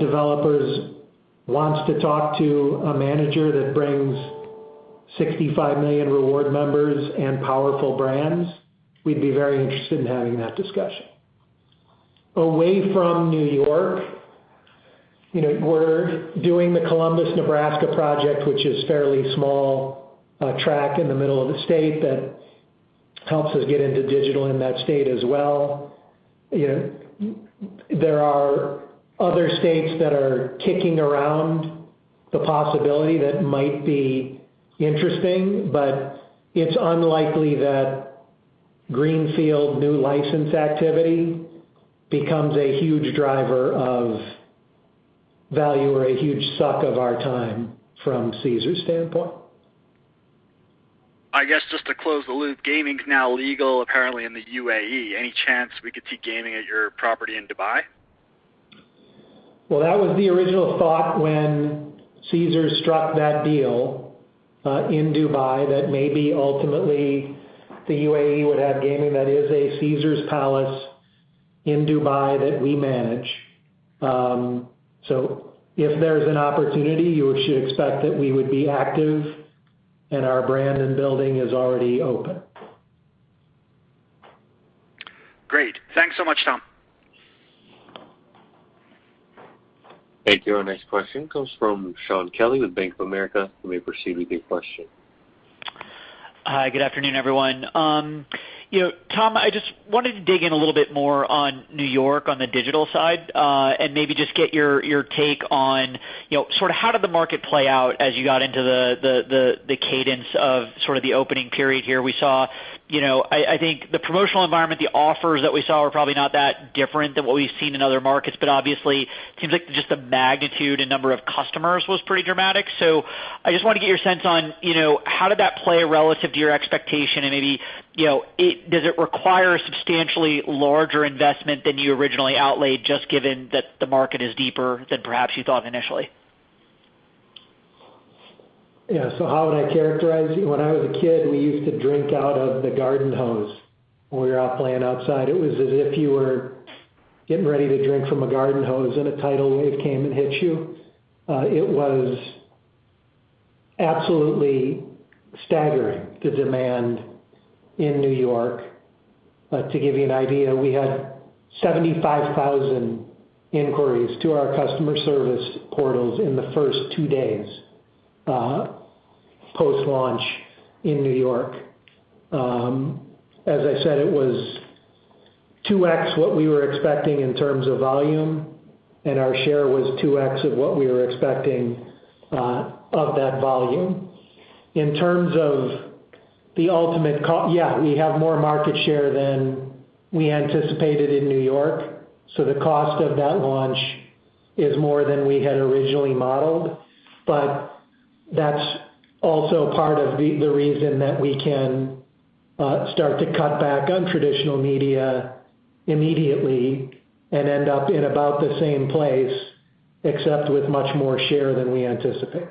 developers wants to talk to a manager that brings 65 million Rewards members and powerful brands, we'd be very interested in having that discussion. Away from New York, you know, we're doing the Columbus, Nebraska project, which is fairly small track in the middle of the state that helps us get into digital in that state as well. You know, there are other states that are kicking around the possibility that might be interesting, but it's unlikely that greenfield new license activity becomes a huge driver of value or a huge suck of our time from Caesars' standpoint. I guess just to close the loop, gaming's now legal apparently in the UAE. Any chance we could see gaming at your property in Dubai? Well, that was the original thought when Caesars struck that deal in Dubai that maybe ultimately the UAE would have gaming. That is a Caesars Palace Dubai that we manage. If there's an opportunity, you should expect that we would be active and our brand and building is already open. Great. Thanks so much, Tom. Thank you. Our next question comes from Shaun Kelley with Bank of America. You may proceed with your question. Hi, good afternoon, everyone. You know, Tom, I just wanted to dig in a little bit more on New York on the digital side, and maybe just get your take on, you know, sort of how did the market play out as you got into the cadence of sort of the opening period here? We saw, you know, I think the promotional environment, the offers that we saw were probably not that different than what we've seen in other markets, but obviously seems like just the magnitude and number of customers was pretty dramatic. I just wanna get your sense on, you know, how did that play relative to your expectation? Maybe, you know, does it require a substantially larger investment than you originally outlaid, just given that the market is deeper than perhaps you thought initially? Yeah. How would I characterize it? When I was a kid, we used to drink out of the garden hose when we were out playing outside. It was as if you were getting ready to drink from a garden hose and a tidal wave came and hit you. It was absolutely staggering, the demand in New York. To give you an idea, we had 75,000 inquiries to our customer service portals in the first two days, post-launch in New York. As I said, it was 2x what we were expecting in terms of volume, and our share was 2x of what we were expecting, of that volume. Yeah, we have more market share than we anticipated in New York, so the cost of that launch is more than we had originally modeled. That's also part of the reason that we can start to cut back on traditional media immediately and end up in about the same place, except with much more share than we anticipated.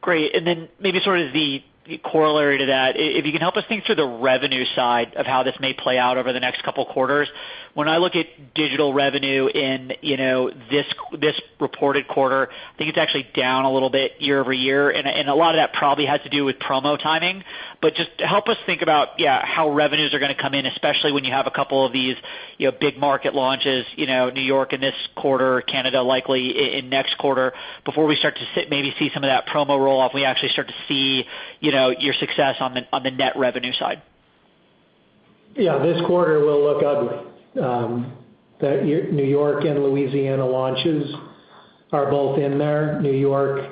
Great. Maybe sort of the corollary to that, if you can help us think through the revenue side of how this may play out over the next couple quarters. When I look at digital revenue in, you know, this reported quarter, I think it's actually down a little bit year-over-year, and a lot of that probably has to do with promo timing. Just help us think about, yeah, how revenues are gonna come in, especially when you have a couple of these, you know, big market launches, you know, New York in this quarter, Canada likely in next quarter. Before we start to maybe see some of that promo roll-off, we actually start to see, you know, your success on the net revenue side. Yeah. This quarter will look ugly. The New York and Louisiana launches are both in there. New York,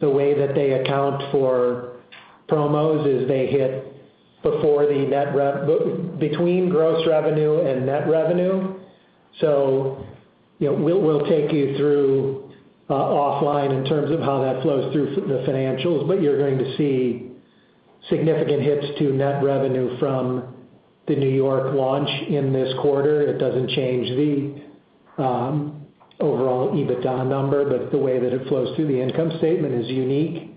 the way that they account for promos is they hit before the net revenue between gross revenue and net revenue. So, you know, we'll take you through offline in terms of how that flows through the financials, but you're going to see significant hits to net revenue from the New York launch in this quarter. It doesn't change the overall EBITDA number, but the way that it flows through the income statement is unique.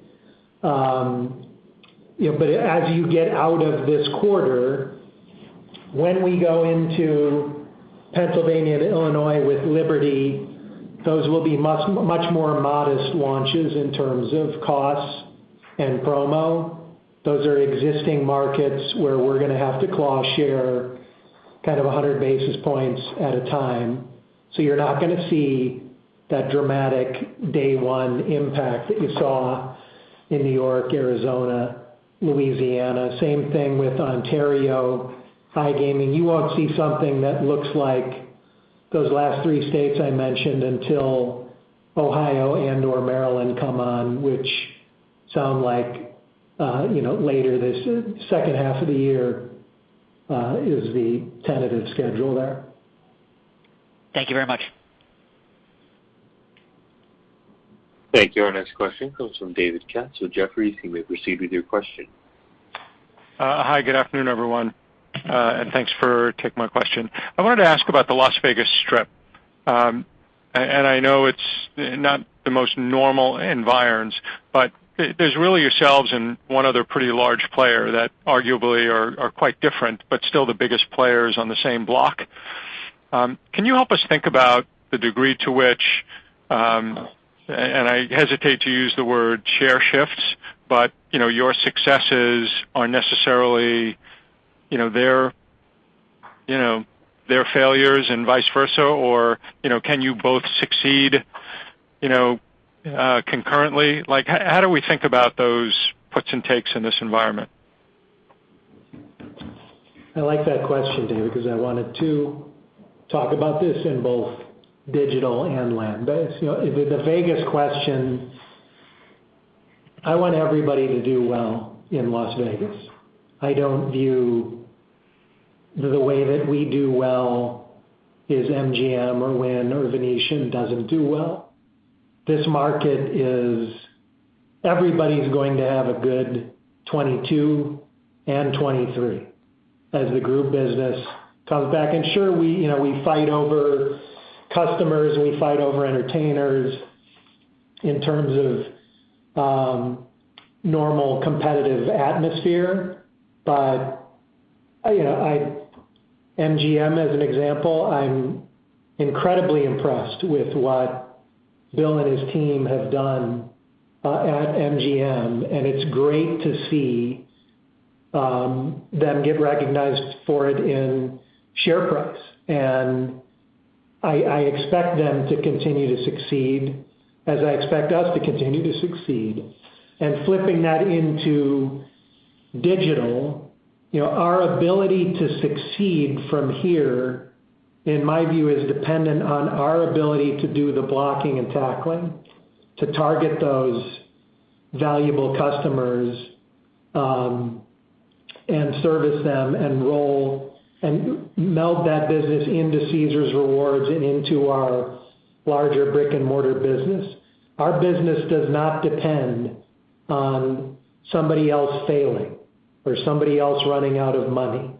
You know, as you get out of this quarter, when we go into Pennsylvania and Illinois with Liberty, those will be much more modest launches in terms of costs and promo. Those are existing markets where we're gonna have to claw share kind of 100 basis points at a time. You're not gonna see that dramatic day one impact that you saw in New York, Arizona, Louisiana. Same thing with Ontario iGaming. You won't see something that looks like those last three states I mentioned until Ohio and/or Maryland come on, which sound like, you know, later this second half of the year, is the tentative schedule there. Thank you very much. Thank you. Our next question comes from David Katz with Jefferies. You may proceed with your question. Hi, good afternoon, everyone, and thanks for taking my question. I wanted to ask about the Las Vegas Strip. I know it's not the most normal environs, but there's really yourselves and one other pretty large player that arguably are quite different, but still the biggest players on the same block. Can you help us think about the degree to which, and I hesitate to use the word share shifts, but, you know, your successes are necessarily, you know, their, you know, their failures and vice versa, or, you know, can you both succeed, you know, concurrently? Like, how do we think about those puts and takes in this environment? I like that question, David, because I wanted to talk about this in both digital and land-based. You know, the Vegas question, I want everybody to do well in Las Vegas. I don't view the way that we do well is MGM or Wynn or Venetian doesn't do well. This market is everybody's going to have a good 2022 and 2023 as the group business comes back. Sure, we, you know, we fight over customers, we fight over entertainers in terms of normal competitive atmosphere. But, you know, MGM, as an example, I'm incredibly impressed with what Bill and his team have done at MGM, and it's great to see them get recognized for it in share price. I expect them to continue to succeed as I expect us to continue to succeed. Flipping that into digital, you know, our ability to succeed from here, in my view, is dependent on our ability to do the blocking and tackling, to target those valuable customers, and service them and roll and meld that business into Caesars Rewards and into our larger brick-and-mortar business. Our business does not depend on somebody else failing or somebody else running out of money.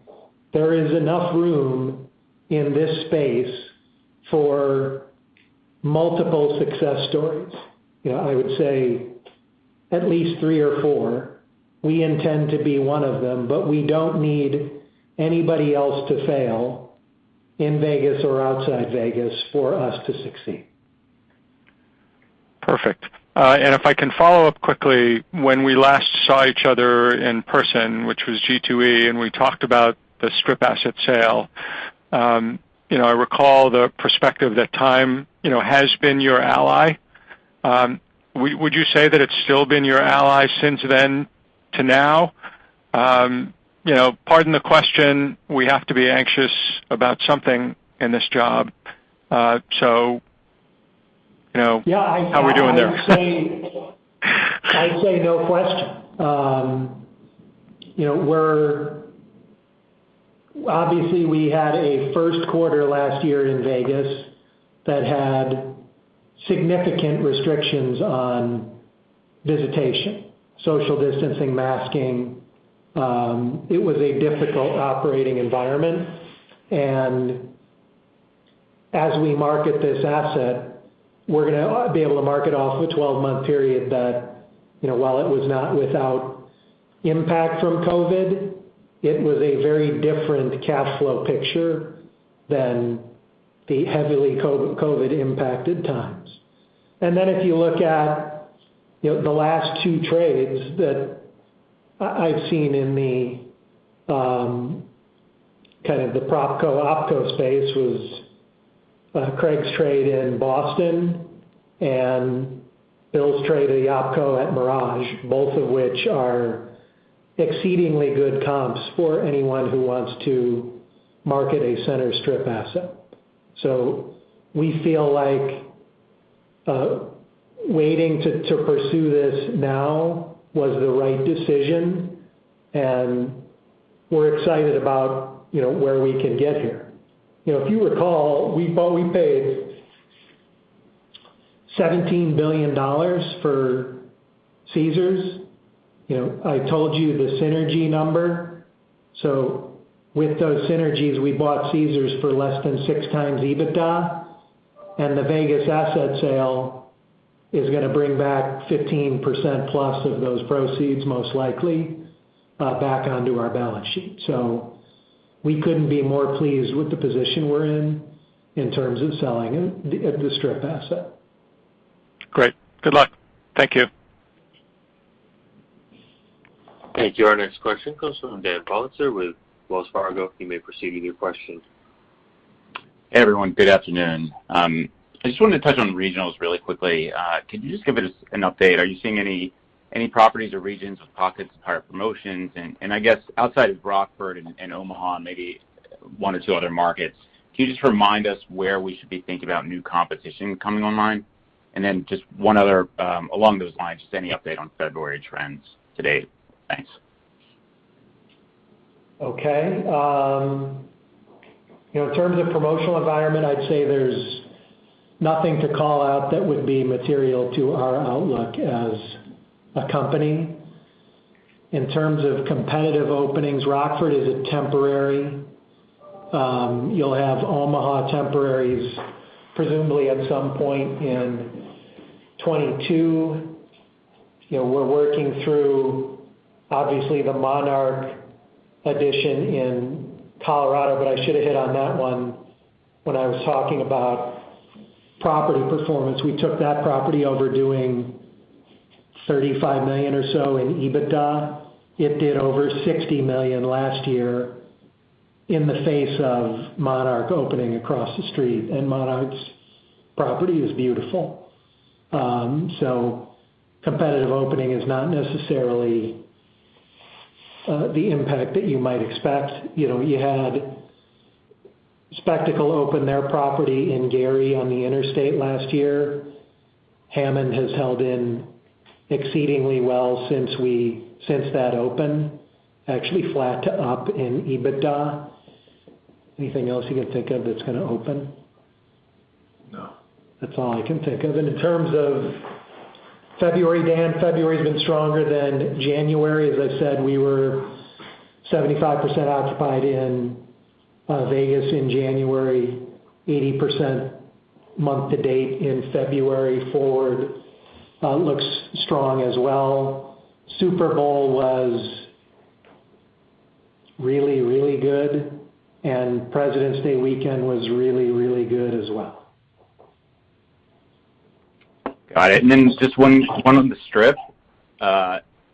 There is enough room in this space for multiple success stories. You know, I would say at least three or four. We intend to be one of them, but we don't need anybody else to fail in Vegas or outside Vegas for us to succeed. Perfect. If I can follow up quickly, when we last saw each other in person, which was G2E, and we talked about the Strip asset sale, you know, I recall the perspective that time, you know, has been your ally. Would you say that it's still been your ally since then to now? You know, pardon the question, we have to be anxious about something in this job. So, you know- Yeah, I'd say. How are we doing there? I'd say no question. You know, obviously, we had a first quarter last year in Vegas that had significant restrictions on visitation, social distancing, masking. It was a difficult operating environment. As we market this asset, we're gonna be able to mark it off a 12-month period that, you know, while it was not without impact from COVID, it was a very different cash flow picture than the heavily COVID impacted times. If you look at, you know, the last two trades that I've seen in the kind of the PropCo OpCo space was, Craig's trade in Boston and Bill's trade at OpCo at Mirage, both of which are exceedingly good comps for anyone who wants to market a center Strip asset. We feel like waiting to pursue this now was the right decision, and we're excited about, you know, where we can get here. You know, if you recall, we paid $17 billion for Caesars. You know, I told you the synergy number. With those synergies, we bought Caesars for less than 6x EBITDA. The Vegas asset sale is going to bring back 15% plus of those proceeds, most likely, back onto our balance sheet. We couldn't be more pleased with the position we're in in terms of selling it at the Strip asset. Great. Good luck. Thank you. Thank you. Our next question comes from Dan Politzer with Wells Fargo. You may proceed with your question. Hey, everyone. Good afternoon. I just wanted to touch on regionals really quickly. Can you just give us an update? Are you seeing any properties or regions with pockets of higher promotions? I guess outside of Rockford and Omaha and maybe one or two other markets, can you just remind us where we should be thinking about new competition coming online? Just one other along those lines, just any update on February trends to date. Thanks. Okay. You know, in terms of promotional environment, I'd say there's nothing to call out that would be material to our outlook as a company. In terms of competitive openings, Rockford is a temporary. You'll have Omaha temporaries presumably at some point in 2022. You know, we're working through obviously the Monarch addition in Colorado, but I should have hit on that one when I was talking about property performance. We took that property over doing $35 million or so in EBITDA. It did over $60 million last year in the face of Monarch opening across the street. Monarch's property is beautiful. So competitive opening is not necessarily the impact that you might expect. You know, you had Spectacle open their property in Gary on the interstate last year. Hammond has held in exceedingly well since that opened, actually flat to up in EBITDA. Anything else you can think of that's gonna open? No. That's all I can think of. In terms of February, Dan, February's been stronger than January. As I said, we were 75% occupied in Vegas in January, 80% month to date in February forward. It looks strong as well. Super Bowl was really, really good, and President's Day weekend was really, really good as well. Got it. Then just one on the Strip.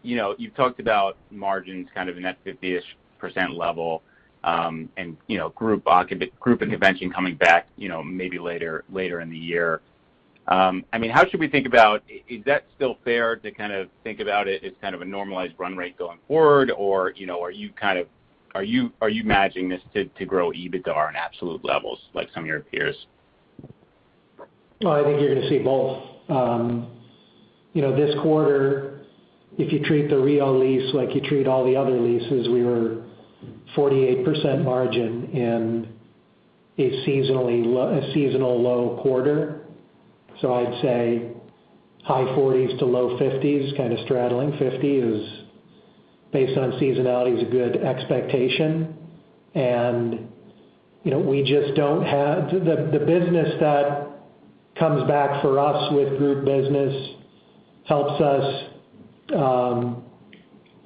You know, you've talked about margins kind of in that 50-ish% level, and you know, group and convention coming back, you know, maybe later in the year. I mean, how should we think about? Is that still fair to kind of think about it as kind of a normalized run rate going forward or, you know, are you managing this to grow EBITDA on absolute levels like some of your peers? Well, I think you're gonna see both. You know, this quarter, if you treat the Rio lease like you treat all the other leases, we were 48% margin in a seasonal low quarter. So I'd say high 40s to low 50s, kind of straddling 50, based on seasonality, is a good expectation. You know, we just don't have the business that comes back for us, with group business, helps us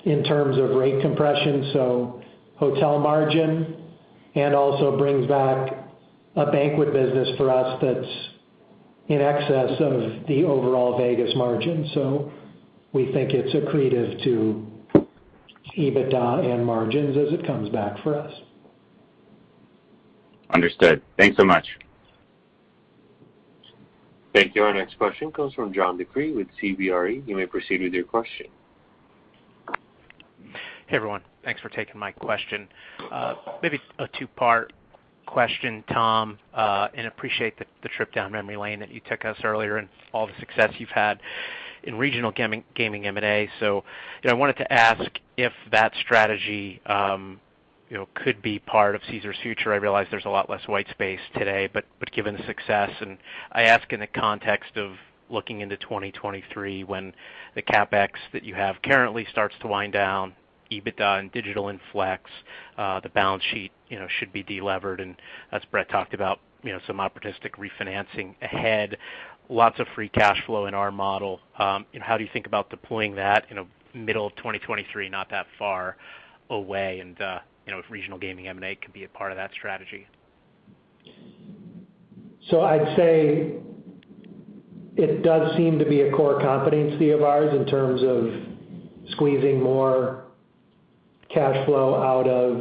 in terms of rate compression, so hotel margin, and also brings back a banquet business for us that's in excess of the overall Vegas margin. So we think it's accretive to EBITDA and margins as it comes back for us. Understood. Thanks so much. Thank you. Our next question comes from John DeCree with CBRE. You may proceed with your question. Hey, everyone. Thanks for taking my question. Maybe a two-part question, Tom, and appreciate the trip down memory lane that you took us earlier and all the success you've had in regional gaming M&A. You know, I wanted to ask if that strategy, you know, could be part of Caesars' future. I realize there's a lot less white space today, but given the success, and I ask in the context of looking into 2023 when the CapEx that you have currently starts to wind down, EBITDA and digital inflection, the balance sheet, you know, should be delevered. As Brett talked about, you know, some opportunistic refinancing ahead, lots of free cash flow in our model. How do you think about deploying that in the middle of 2023, not that far away and, you know, if regional gaming M&A could be a part of that strategy? I'd say it does seem to be a core competency of ours in terms of squeezing more cash flow out of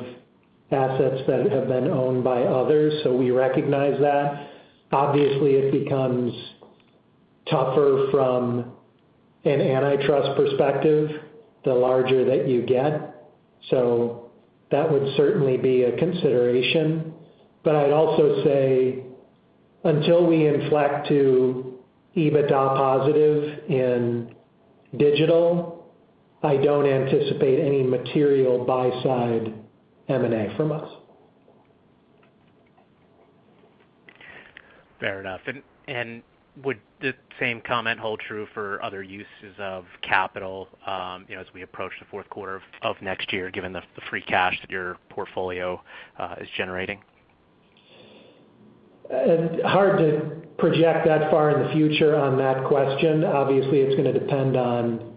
assets that have been owned by others. We recognize that. Obviously, it becomes tougher from an antitrust perspective, the larger that you get. That would certainly be a consideration. I'd also say until we inflect to EBITDA positive in digital, I don't anticipate any material buy-side M&A from us. Fair enough. Would the same comment hold true for other uses of capital, you know, as we approach the fourth quarter of next year, given the free cash that your portfolio is generating? Hard to project that far in the future on that question. Obviously, it's gonna depend on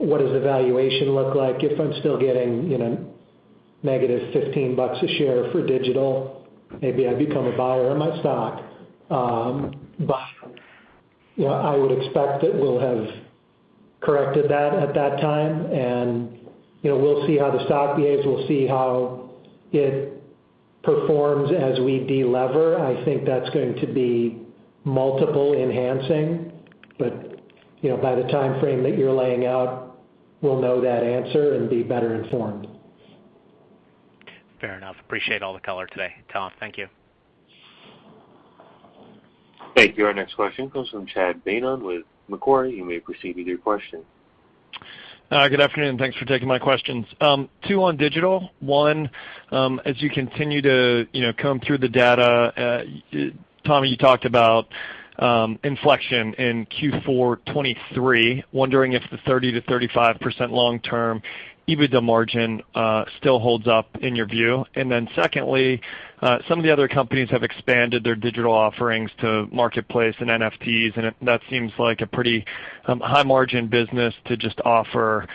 what does the valuation look like. If I'm still getting, you know, -$15 a share for digital, maybe I become a buyer of my stock. You know, I would expect that we'll have corrected that at that time, and, you know, we'll see how the stock behaves. We'll see how it performs as we de-lever. I think that's going to be multiple enhancing. You know, by the timeframe that you're laying out, we'll know that answer and be better informed. Fair enough. Appreciate all the color today, Tom. Thank you. Thank you. Our next question comes from Chad Beynon with Macquarie. You may proceed with your question. Good afternoon, and thanks for taking my questions. Two on digital. One, as you continue to, you know, comb through the data, Tom, you talked about inflection in Q4 2023. Wondering if the 30%-35% long-term EBITDA margin still holds up in your view. Secondly, some of the other companies have expanded their digital offerings to marketplace and NFTs, and that seems like a pretty high margin business to just offer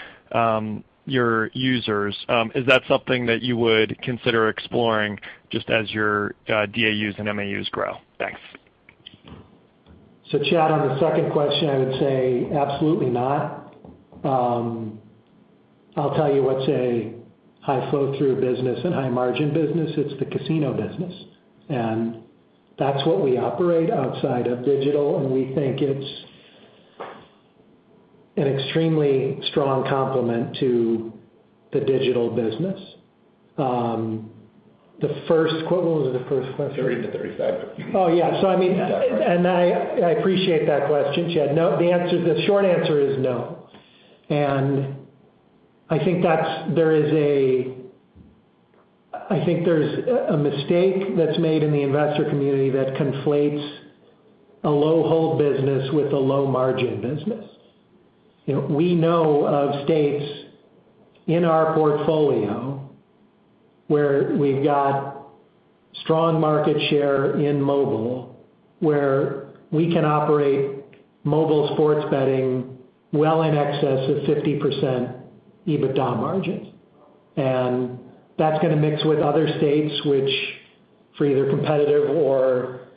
your users. Is that something that you would consider exploring just as your DAUs and MAUs grow? Thanks. Chad, on the second question, I would say absolutely not. I'll tell you what's a high flow through business and high margin business, it's the casino business. That's what we operate outside of digital, and we think it's an extremely strong complement to the digital business. What was the first question? 30-35. Oh, yeah. I mean. Is that right? I appreciate that question, Chad. The short answer is no. I think there's a mistake that's made in the investor community that conflates a low hold business with a low margin business. You know, we know of states in our portfolio where we've got strong market share in mobile, where we can operate mobile sports betting well in excess of 50% EBITDA margins. That's gonna mix with other states which for either competitive or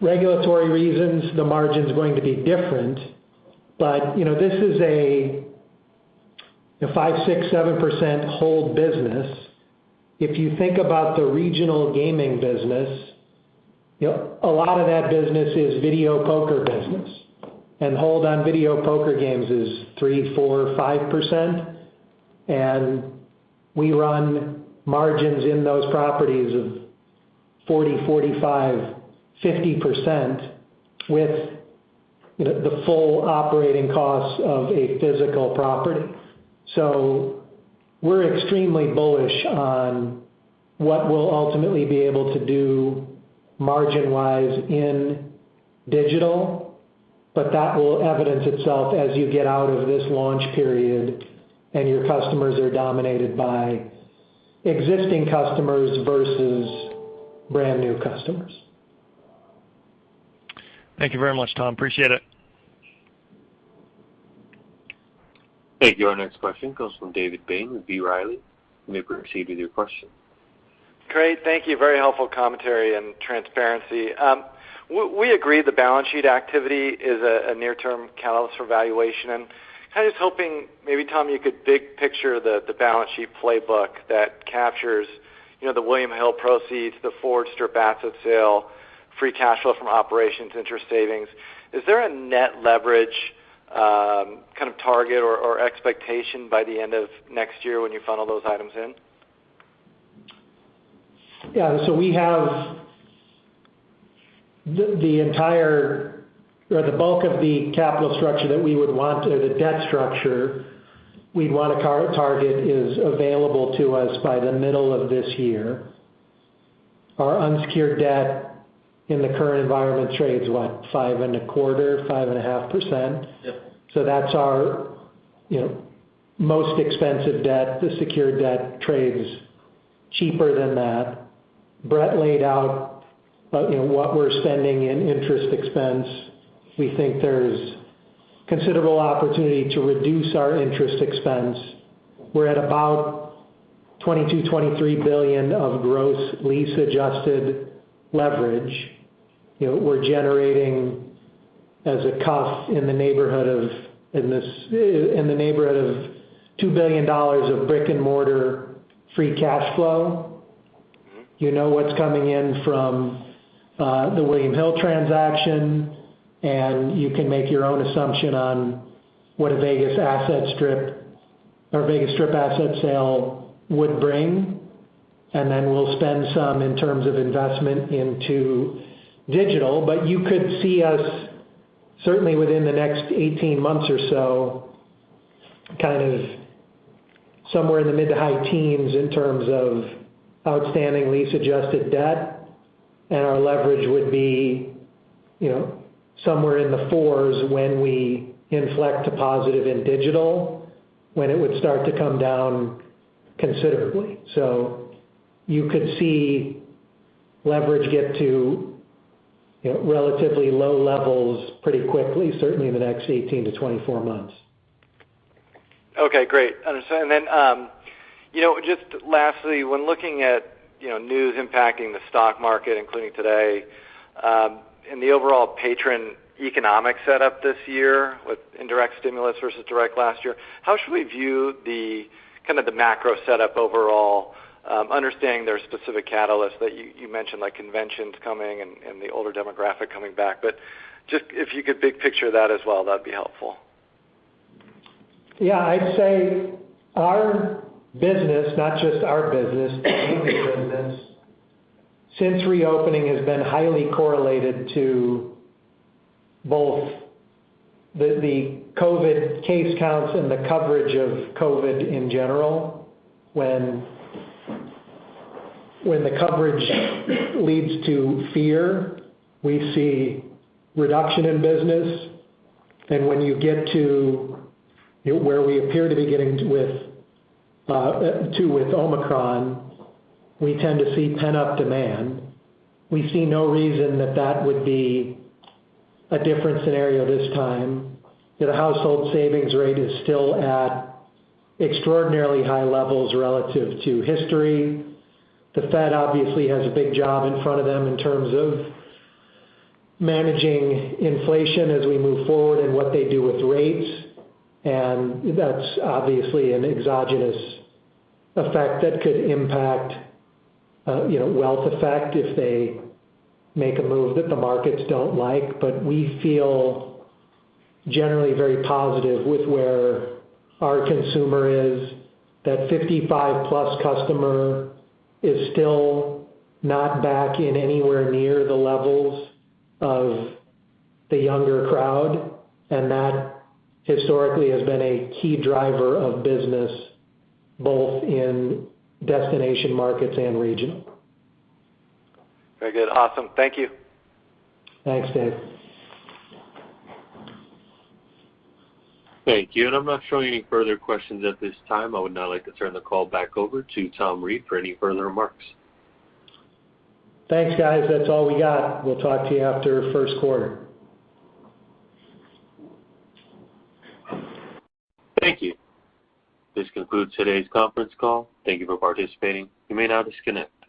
regulatory reasons, the margin's going to be different. You know, this is a you know, 5, 6, 7% hold business. If you think about the regional gaming business, you know, a lot of that business is video poker business. Hold on video poker games is 3, 4, 5%. We run margins in those properties of 40%, 45%, 50% with, you know, the full operating costs of a physical property. We're extremely bullish on what we'll ultimately be able to do margin-wise in digital, but that will evidence itself as you get out of this launch period and your customers are dominated by existing customers versus brand-new customers. Thank you very much, Tom. Appreciate it. Thank you. Our next question comes from David Bain with B. Riley. You may proceed with your question. Great. Thank you. Very helpful commentary and transparency. We agree the balance sheet activity is a near-term catalyst for valuation. I was hoping maybe, Tom, you could big picture the balance sheet playbook that captures, you know, the William Hill proceeds, the Four Star asset sale, free cash flow from operations, interest savings. Is there a net leverage kind of target or expectation by the end of next year when you funnel those items in? Yeah. We have the entire or the bulk of the capital structure that we would want or the debt structure we'd want to target is available to us by the middle of this year. Our unsecured debt in the current environment trades, what? 5.25%-5.5%. Yep. That's our, you know, most expensive debt. The secured debt trades cheaper than that. Brett laid out, you know, what we're spending in interest expense. We think there's considerable opportunity to reduce our interest expense. We're at about $22-$23 billion of gross lease-adjusted leverage. You know, we're generating as a cost in the neighborhood of $2 billion of brick-and-mortar free cash flow. You know what's coming in from the William Hill transaction, and you can make your own assumption on what a Vegas Strip asset sale would bring. We'll spend some in terms of investment into digital. You could see us certainly within the next 18 months or so, kind of somewhere in the mid- to high-teens in terms of outstanding lease-adjusted debt. Our leverage would be, you know, somewhere in the 4s when we inflect to positive and digital, when it would start to come down considerably. You could see leverage get to, you know, relatively low levels pretty quickly, certainly in the next 18-24 months. Okay, great. Understand. Then, you know, just lastly, when looking at, you know, news impacting the stock market, including today, and the overall patron economic setup this year with indirect stimulus versus direct last year, how should we view the kind of macro setup overall, understanding there are specific catalysts that you mentioned, like conventions coming and the older demographic coming back, but just if you could big picture that as well, that'd be helpful. Yeah. I'd say our business, not just our business, any business since reopening has been highly correlated to both the COVID case counts and the coverage of COVID in general. When the coverage leads to fear, we see reduction in business. When you get to where we appear to be getting with Omicron, we tend to see pent-up demand. We see no reason that would be a different scenario this time, that a household savings rate is still at extraordinarily high levels relative to history. The Fed obviously has a big job in front of them in terms of managing inflation as we move forward and what they do with rates, and that's obviously an exogenous effect that could impact, you know, wealth effect if they make a move that the markets don't like. We feel generally very positive with where our consumer is, that 55+ customer is still not back in anywhere near the levels of the younger crowd. That historically has been a key driver of business both in destination markets and regional. Very good. Awesome. Thank you. Thanks, Dave. Thank you. I'm not showing any further questions at this time. I would now like to turn the call back over to Tom Reeg for any further remarks. Thanks, guys. That's all we got. We'll talk to you after first quarter. Thank you. This concludes today's conference call. Thank you for participating. You may now disconnect.